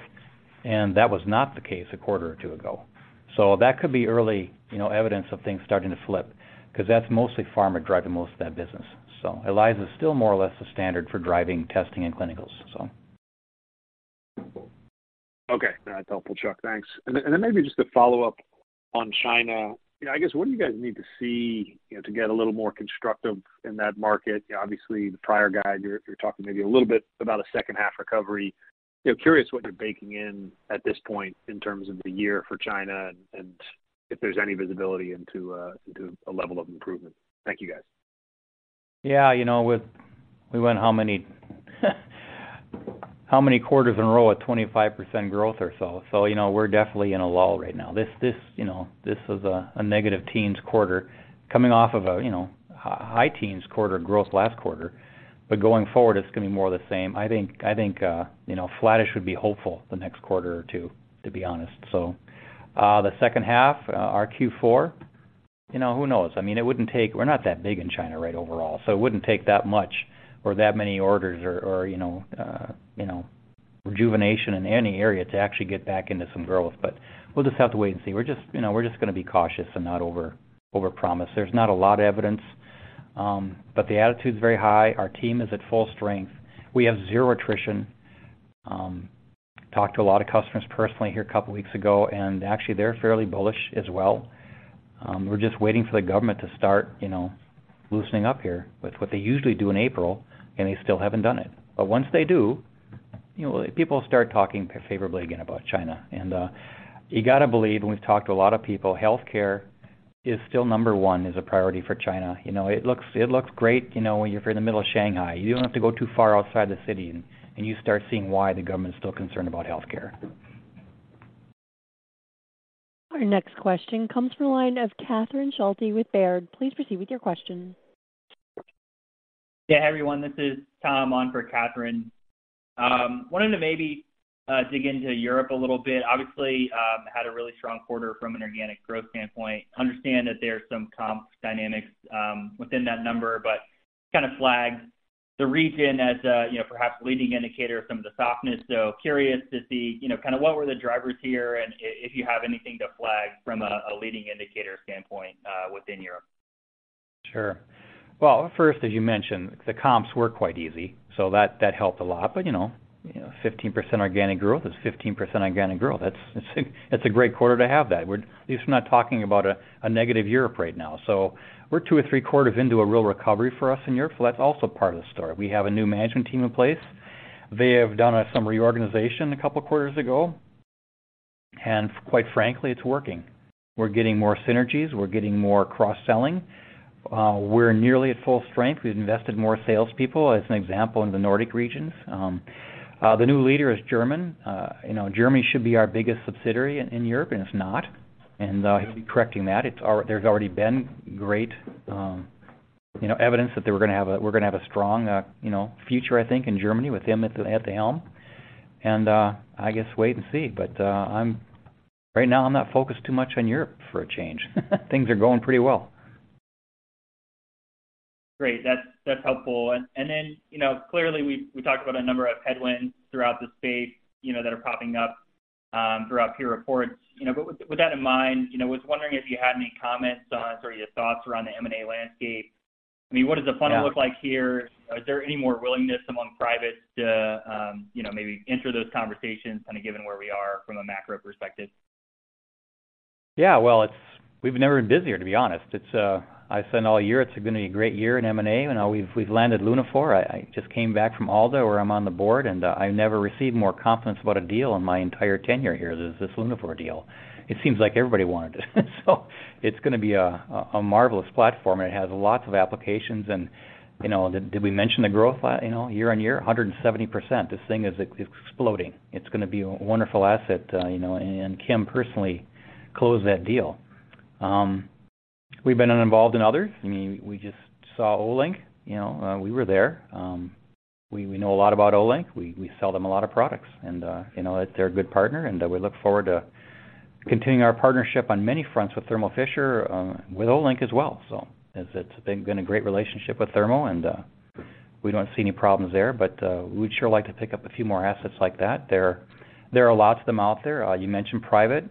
and that was not the case a quarter or two ago. So that could be early, you know, evidence of things starting to flip, 'cause that's mostly pharma driving most of that business. So ELISA is still more or less the standard for driving testing and clinicals, so.
Okay. That's helpful, Chuck. Thanks. And then maybe just a follow-up on China. I guess, what do you guys need to see, you know, to get a little more constructive in that market? Obviously, the prior guide, you're talking maybe a little bit about a second half recovery. You know, curious what you're baking in at this point in terms of the year for China and if there's any visibility into a level of improvement. Thank you, guys.
Yeah, you know, with... We went how many quarters in a row at 25% growth or so? So, you know, we're definitely in a lull right now. This, you know, this is a negative teens% quarter coming off of a, you know, high teens% quarter growth last quarter. But going forward, it's gonna be more of the same. I think, you know, flattish should be hopeful the next quarter or two, to be honest. So, the second half, our Q4, you know, who knows? I mean, it wouldn't take. We're not that big in China, right, overall, so it wouldn't take that much or that many orders or, you know, rejuvenation in any area to actually get back into some growth. But we'll just have to wait and see. We're just, you know, we're just gonna be cautious and not overpromise. There's not a lot of evidence, but the attitude is very high. Our team is at full strength. We have zero attrition. Talked to a lot of customers personally here a couple of weeks ago, and actually, they're fairly bullish as well. We're just waiting for the government to start, you know, loosening up here with what they usually do in April, and they still haven't done it. But once they do, you know, people will start talking favorably again about China. And you got to believe, we've talked to a lot of people, healthcare is still number one as a priority for China. You know, it looks, it looks great, you know, when you're in the middle of Shanghai. You don't have to go too far outside the city, and you start seeing why the government is still concerned about healthcare.
Our next question comes from the line of Catherine Schulte with Baird. Please proceed with your question....
Yeah, hi, everyone. This is Tom on for Catherine. Wanted to maybe dig into Europe a little bit. Obviously, had a really strong quarter from an organic growth standpoint. Understand that there are some comp dynamics within that number, but kind of flagged the region as a, you know, perhaps leading indicator of some of the softness. So curious to see, you know, kind of what were the drivers here, and if you have anything to flag from a, a leading indicator standpoint, within Europe?
Sure. Well, first, as you mentioned, the comps were quite easy, so that helped a lot. But, you know, 15% organic growth is 15% organic growth. That's, it's a great quarter to have that. We're at least not talking about a negative Europe right now. So we're two or three quarters into a real recovery for us in Europe, so that's also part of the story. We have a new management team in place. They have done some reorganization a couple of quarters ago, and quite frankly, it's working. We're getting more synergies, we're getting more cross-selling, we're nearly at full strength. We've invested more salespeople, as an example, in the Nordic regions. The new leader is German. You know, Germany should be our biggest subsidiary in Europe, and it's not, and he'll be correcting that. There's already been great, you know, evidence that they were gonna have a strong, you know, future, I think, in Germany with him at the helm. And, I guess wait and see. But, right now, I'm not focused too much on Europe for a change. Things are going pretty well.
Great. That's, that's helpful. And, and then, you know, clearly, we, we talked about a number of headwinds throughout the space, you know, that are popping up throughout peer reports. You know, but with, with that in mind, you know, I was wondering if you had any comments on or your thoughts around the M&A landscape. I mean, what does the funnel-
Yeah...
look like here? Is there any more willingness among private to, you know, maybe enter those conversations, kind of, given where we are from a macro perspective?
Yeah, well, it's we've never been busier, to be honest. It's, I said all year, it's gonna be a great year in M&A, and we've, we've landed Lunaphore. I, I just came back from Aldo, where I'm on the board, and I've never received more confidence about a deal in my entire tenure here as this Lunaphore deal. It seems like everybody wanted it. So it's gonna be a marvelous platform, and it has lots of applications. And, you know, did we mention the growth, you know, year-on-year? 170%. This thing is exploding. It's gonna be a wonderful asset, you know, and Kim personally closed that deal. We've been involved in others. I mean, we just saw Olink, you know, we were there. We, we know a lot about Olink. We sell them a lot of products, and, you know, they're a good partner, and we look forward to continuing our partnership on many fronts with Thermo Fisher, with Olink as well. So it's been a great relationship with Thermo, and, we don't see any problems there, but, we'd sure like to pick up a few more assets like that. There are lots of them out there. You mentioned private.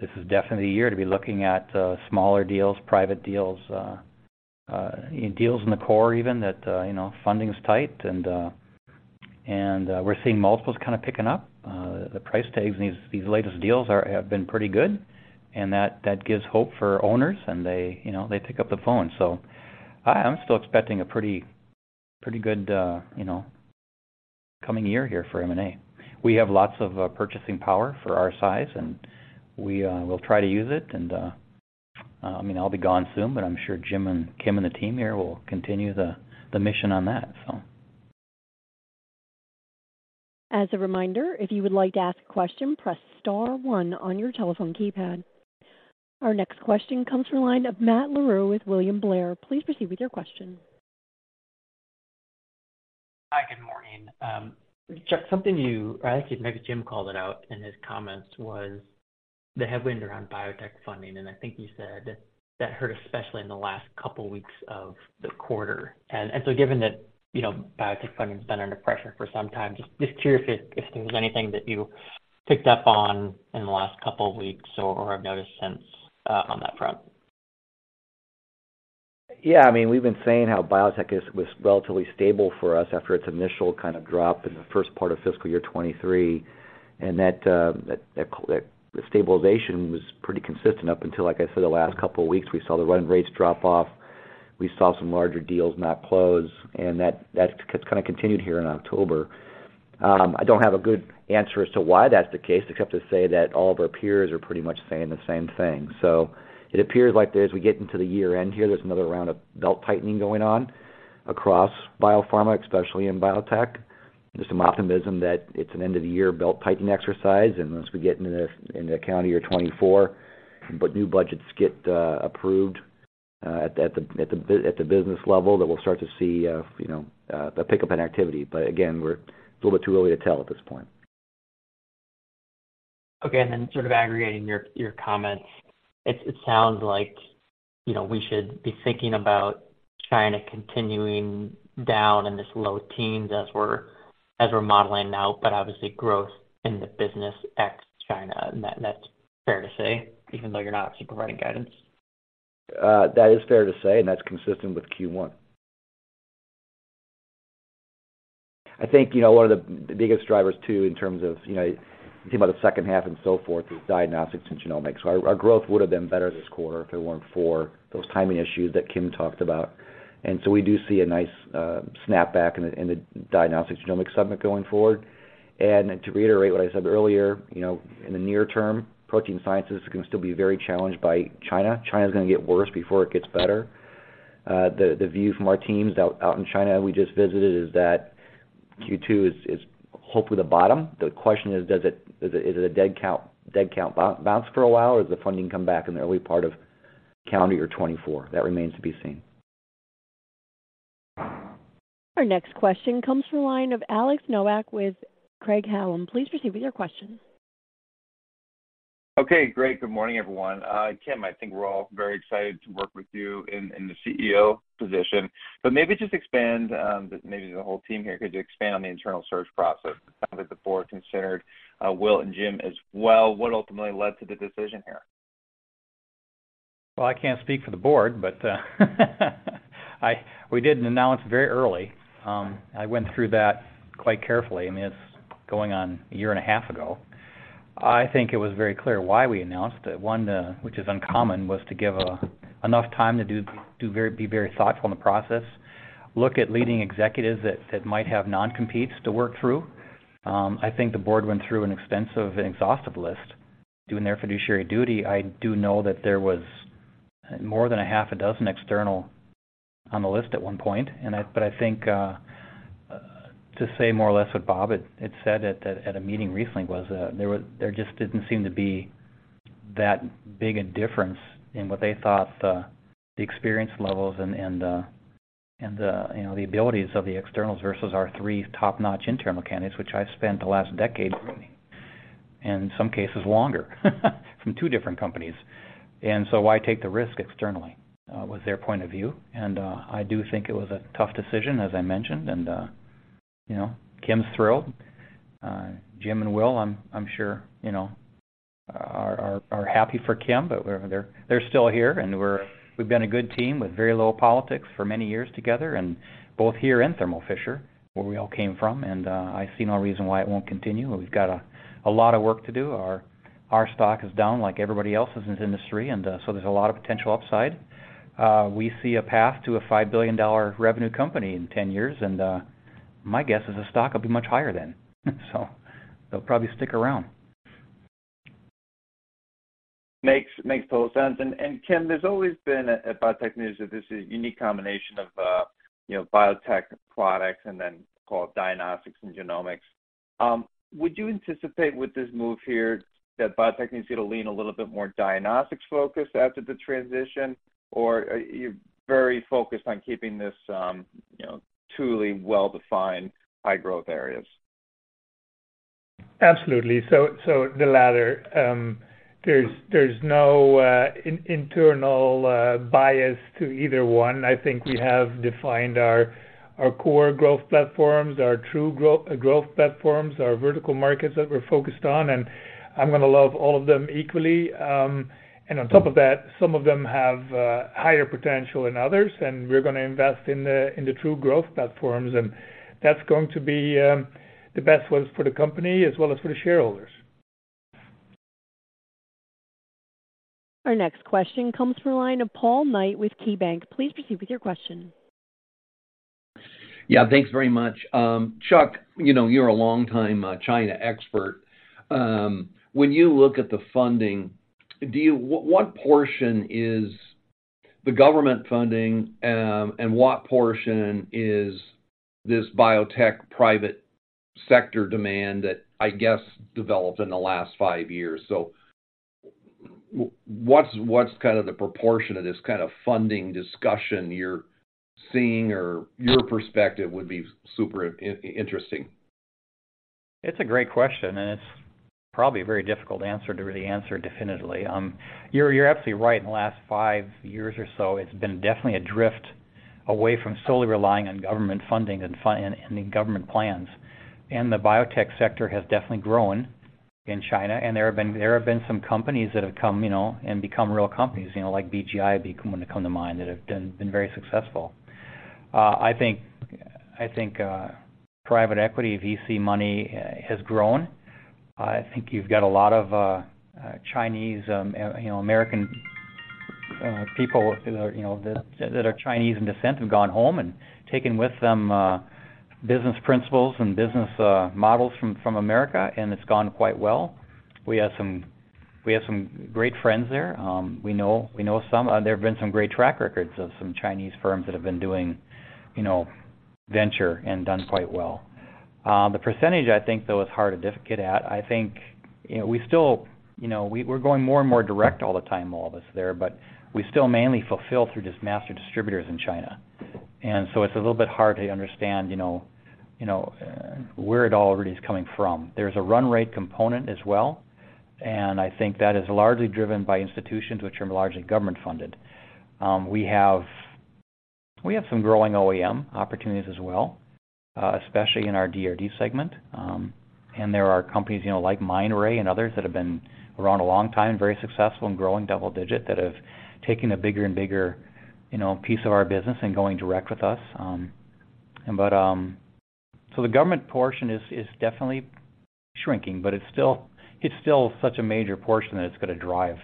This is definitely a year to be looking at, smaller deals, private deals, deals in the core, even that, you know, funding is tight, and, and, we're seeing multiples kind of picking up. The price tags in these latest deals have been pretty good, and that gives hope for owners, and they, you know, they pick up the phone. So I'm still expecting a pretty, pretty good, you know, coming year here for M&A. We have lots of purchasing power for our size, and we will try to use it. And I mean, I'll be gone soon, but I'm sure Jim and Kim and the team here will continue the mission on that, so.
As a reminder, if you would like to ask a question, press star one on your telephone keypad. Our next question comes from the line of Matt Larew with William Blair. Please proceed with your question.
Hi, good morning. Chuck, something you, I think Jim called it out in his comments, was the headwind around biotech funding, and I think you said that hurt, especially in the last couple weeks of the quarter. And so given that, you know, biotech funding has been under pressure for some time, just, just curious if, if there's anything that you picked up on in the last couple of weeks or, or have noticed since, on that front?
Yeah, I mean, we've been saying how biotech is, was relatively stable for us after its initial kind of drop in the first part of fiscal year 2023, and that stabilization was pretty consistent up until, like I said, the last couple of weeks, we saw the run rates drop off. We saw some larger deals not close, and that's kind of continued here in October. I don't have a good answer as to why that's the case, except to say that all of our peers are pretty much saying the same thing. So it appears like as we get into the year-end here, there's another round of belt-tightening going on across biopharma, especially in biotech. There's some optimism that it's an end-of-the-year belt-tightening exercise, and once we get into the accounting year 2024, but new budgets get approved at the business level, that we'll start to see you know the pickup in activity. But again, we're. It's a little bit too early to tell at this point.
Okay, and then sort of aggregating your comments, it sounds like, you know, we should be thinking about China continuing down in this low teens as we're modeling now, but obviously growth in the business ex China. And that's fair to say, even though you're not actually providing guidance?
That is fair to say, and that's consistent with Q1. I think, you know, one of the biggest drivers too, in terms of, you know, you think about the second half and so forth, is diagnostics and genomics. So our growth would have been better this quarter if it weren't for those timing issues that Kim talked about. And so we do see a nice snapback in the diagnostics genomics segment going forward. And to reiterate what I said earlier, you know, in the near term, protein sciences is going to still be very challenged by China. China is gonna get worse before it gets better. The view from our teams out in China we just visited is that Q2 is hopefully the bottom. The question is, is it a dead cat bounce for a while, or does the funding come back in the early part of calendar year 2024? That remains to be seen.
Our next question comes from the line of Alex Nowak with Craig-Hallum. Please proceed with your question.
Okay, great. Good morning, everyone. Kim, I think we're all very excited to work with you in the CEO position. But maybe just expand, maybe the whole team here. Could you expand on the internal search process? It sounded the board considered Will and Jim as well. What ultimately led to the decision here?
Well, I can't speak for the board, but we did announce very early. I went through that quite carefully. I mean, it's going on a year and a half ago. I think it was very clear why we announced it. One, which is uncommon, was to give enough time to be very thoughtful in the process, look at leading executives that might have non-competes to work through. I think the board went through an extensive and exhaustive list, doing their fiduciary duty. I do know that there was more than half a dozen externals on the list at one point, and, but I think to say more or less what Bob had said at a meeting recently was, there just didn't seem to be that big a difference in what they thought the experience levels and the abilities of the externals versus our three top-notch internal candidates, which I've spent the last decade, and in some cases longer, from two different companies. And so why take the risk externally was their point of view, and I do think it was a tough decision, as I mentioned, and you know, Kim's thrilled. Jim and Will, I'm sure, you know, are happy for Kim, but we're, they're still here, and we've been a good team with very low politics for many years together and both here and Thermo Fisher, where we all came from, and I see no reason why it won't continue. We've got a lot of work to do. Our stock is down like everybody else's in this industry, and so there's a lot of potential upside. We see a path to a $5 billion revenue company in 10 years, and my guess is the stock will be much higher then. So they'll probably stick around.
Makes, makes total sense. And, and Kim, there's always been at Bio-Techne, this unique combination of, you know, biotech products and then, call it, diagnostics and genomics. Would you anticipate with this move here, that Bio-Techne is going to lean a little bit more diagnostics-focused after the transition, or are you very focused on keeping this, you know, truly well-defined, high-growth areas?
Absolutely. So, the latter. There's no internal bias to either one. I think we have defined our core growth platforms, our true growth platforms, our vertical markets that we're focused on, and I'm going to love all of them equally. And on top of that, some of them have higher potential than others, and we're going to invest in the true growth platforms, and that's going to be the best ones for the company as well as for the shareholders.
Our next question comes from the line of Paul Knight with KeyBanc. Please proceed with your question.
Yeah, thanks very much. Chuck, you know, you're a long-time China expert. When you look at the funding, do you—what, what portion is the government funding, and what portion is this biotech private sector demand that, I guess, developed in the last five years? So what's, what's kind of the proportion of this kind of funding discussion you're seeing, or your perspective would be super interesting?
It's a great question, and it's probably a very difficult answer to really answer definitively. You're absolutely right. In the last five years or so, it's been definitely a drift away from solely relying on government funding and government plans. And the biotech sector has definitely grown in China, and there have been some companies that have come, you know, and become real companies, you know, like BGI come to mind, that have been very successful. I think private equity, VC money has grown. I think you've got a lot of Chinese American people, you know, that are Chinese in descent, have gone home and taken with them business principles and business models from America, and it's gone quite well. We have some great friends there. We know some. There have been some great track records of some Chinese firms that have been doing, you know, venture and done quite well. The percentage, I think, though, is hard to get at. I think, you know, we still, you know, we're going more and more direct all the time, all this there, but we still mainly fulfill through these master distributors in China. And so it's a little bit hard to understand, you know, you know, where it all really is coming from. There's a run rate component as well, and I think that is largely driven by institutions which are largely government-funded. We have some growing OEM opportunities as well, especially in our DRD segment. And there are companies, you know, like Mindray and others, that have been around a long time, very successful in growing double-digit, that have taken a bigger and bigger, you know, piece of our business and going direct with us. But, so the government portion is definitely shrinking, but it's still such a major portion that it's going to drive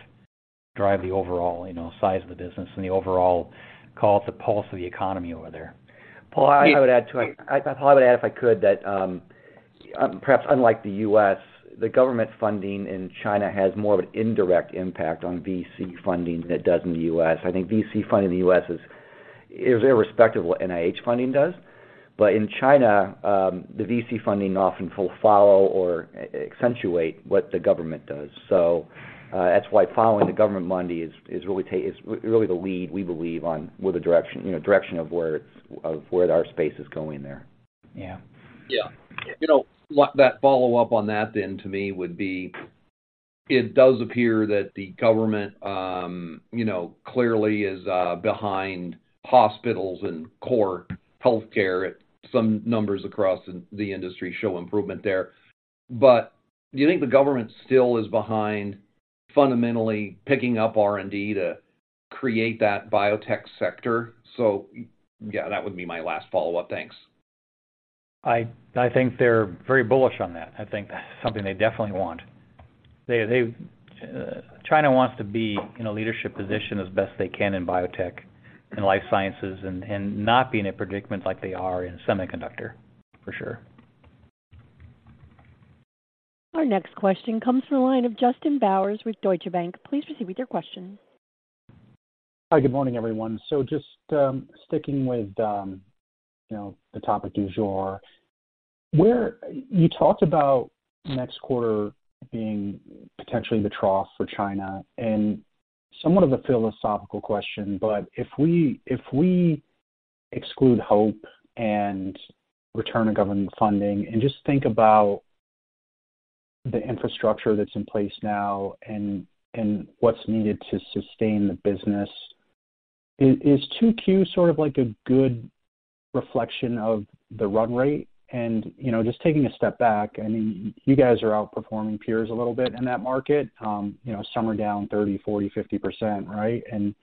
the overall, you know, size of the business and the overall, call it, the pulse of the economy over there. Paul, I would add to it. I would add, if I could, that....
Perhaps unlike the U.S., the government funding in China has more of an indirect impact on VC funding than it does in the U.S. I think VC funding in the U.S. is irrespective of what NIH funding does. But in China, the VC funding often will follow or accentuate what the government does. So, that's why following the government money is really the lead, we believe, on where the direction, you know, direction of where it's, of where our space is going there.
Yeah.
Yeah. You know, what, that follow-up on that then to me would be: it does appear that the government, you know, clearly is behind hospitals and core healthcare. Some numbers across in the industry show improvement there. But do you think the government still is behind fundamentally picking up R&D to create that biotech sector? So, yeah, that would be my last follow-up. Thanks.
I think they're very bullish on that. I think that's something they definitely want. China wants to be in a leadership position as best they can in biotech and life sciences and not be in a predicament like they are in semiconductor, for sure.
Our next question comes from the line of Justin Bowers with Deutsche Bank. Please proceed with your question.
Hi, good morning, everyone. So just sticking with you know, the topic du jour, where you talked about next quarter being potentially the trough for China, and somewhat of a philosophical question, but if we exclude hope and return of government funding and just think about the infrastructure that's in place now and what's needed to sustain the business, is 2Q sort of like a good reflection of the run rate? And, you know, just taking a step back, I mean, you guys are outperforming peers a little bit in that market. You know, some are down 30, 40, 50%, right? And,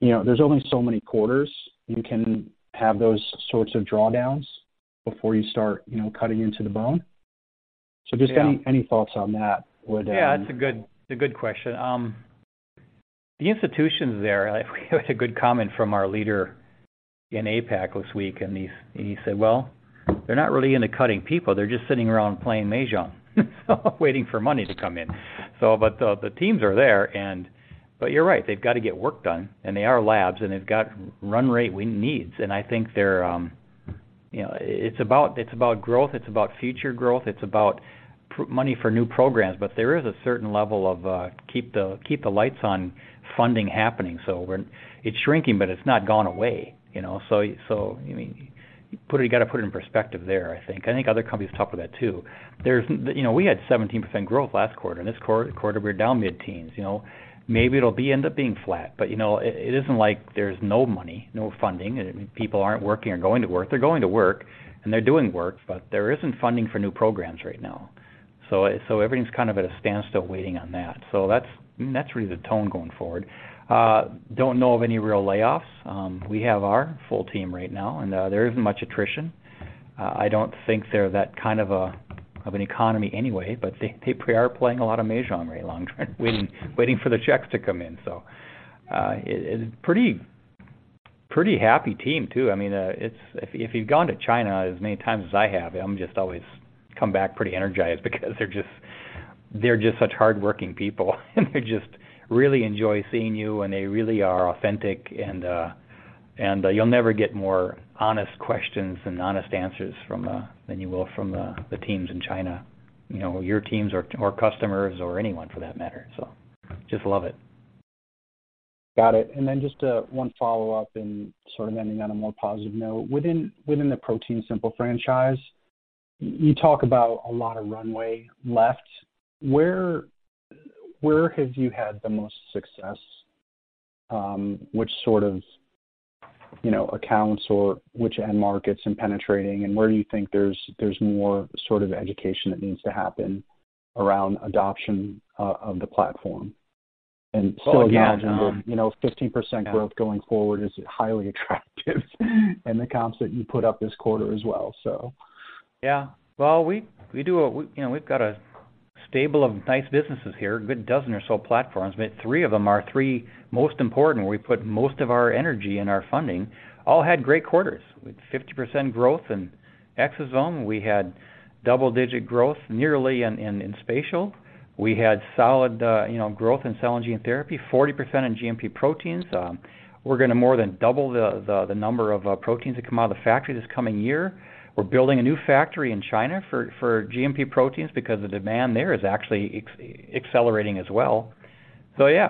you know, there's only so many quarters you can have those sorts of drawdowns before you start, you know, cutting into the bone.
Yeah.
So, just any thoughts on that would...
Yeah, it's a good question. The institutions there, we had a good comment from our leader in APAC this week, and he said, "Well, they're not really into cutting people. They're just sitting around playing mahjong, waiting for money to come in." So the teams are there, and you're right, they've got to get work done, and they are labs, and they've got run rate needs. And I think they're, you know, it's about growth, it's about future growth, it's about money for new programs, but there is a certain level of keep the lights on funding happening. So it's shrinking, but it's not gone away, you know? So, I mean, you got to put it in perspective there, I think. I think other companies tough with that, too. You know, we had 17% growth last quarter, and this quarter, we're down mid-teens. You know, maybe it'll end up being flat, but you know, it isn't like there's no money, no funding, and people aren't working or going to work. They're going to work, and they're doing work, but there isn't funding for new programs right now. So everything's kind of at a standstill, waiting on that. So that's really the tone going forward. Don't know of any real layoffs. We have our full team right now, and there isn't much attrition. I don't think they're that kind of economy anyway, but they are playing a lot of mahjong right long-term, waiting for the checks to come in. So it's pretty happy team, too. I mean, it's... If you've gone to China as many times as I have, I'm just always come back pretty energized because they're just such hardworking people, and they just really enjoy seeing you, and they really are authentic, and you'll never get more honest questions and honest answers from than you will from the teams in China. You know, your teams or customers or anyone for that matter, so just love it.
Got it. And then just one follow-up and sort of ending on a more positive note. Within the ProteinSimple franchise, you talk about a lot of runway left. Where have you had the most success? Which sort of, you know, accounts or which end markets and penetrating, and where do you think there's more sort of education that needs to happen around adoption of the platform?
Well, yeah,
You know, 15% growth going forward is highly attractive, and the comps that you put up this quarter as well, so.
Yeah. Well, we do, you know, we've got a stable of nice businesses here, a good dozen or so platforms, but three of them are the three most important, where we put most of our energy and our funding, all had great quarters, with 50% growth in exosome. We had nearly double-digit growth in spatial. We had solid, you know, growth in cell and gene therapy, 40% in GMP proteins. We're gonna more than double the number of proteins that come out of the factory this coming year. We're building a new factory in China for GMP proteins because the demand there is actually accelerating as well. So yeah,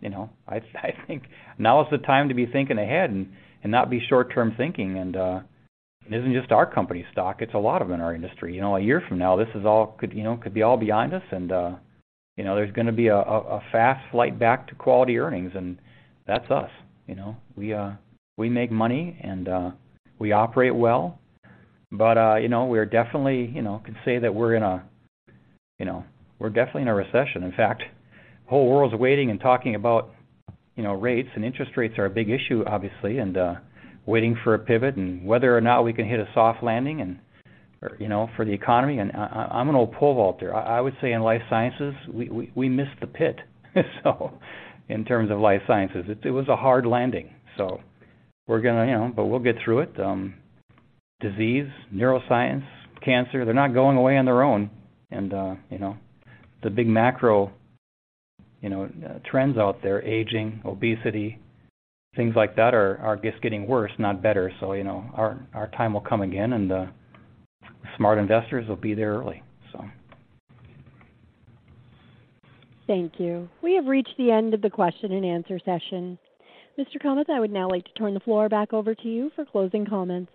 you know, I think now is the time to be thinking ahead and not be short-term thinking. It isn't just our company stock, it's a lot of them in our industry. You know, a year from now, this could all be behind us, you know, and there's gonna be a fast flight back to quality earnings, and that's us. You know, we make money, and we operate well. But, you know, we're definitely in a recession. In fact, the whole world's waiting and talking about, you know, rates, and interest rates are a big issue, obviously, and waiting for a pivot and whether or not we can hit a soft landing or, you know, for the economy. I'm an old pole vaulter. I would say in life sciences, we missed the pit, so in terms of life sciences, it was a hard landing. So we're gonna, you know, but we'll get through it. Disease, neuroscience, cancer, they're not going away on their own. And you know, the big macro, you know, trends out there, aging, obesity, things like that are just getting worse, not better. So, you know, our time will come again, and smart investors will be there early, so.
Thank you. We have reached the end of the question and answer session. Mr. Kummeth, I would now like to turn the floor back over to you for closing comments.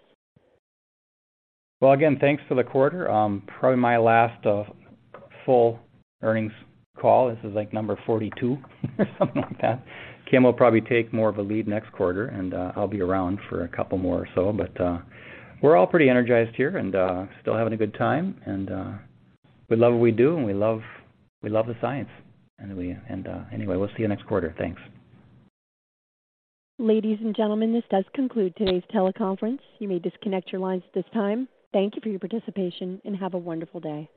Well, again, thanks for the quarter. Probably my last full earnings call. This is, like, number 42, or something like that. Kim will probably take more of a lead next quarter, and I'll be around for a couple more or so. But we're all pretty energized here and still having a good time and we love what we do, and we love, we love the science, and we... Anyway, we'll see you next quarter. Thanks.
Ladies and gentlemen, this does conclude today's teleconference. You may disconnect your lines at this time. Thank you for your participation, and have a wonderful day.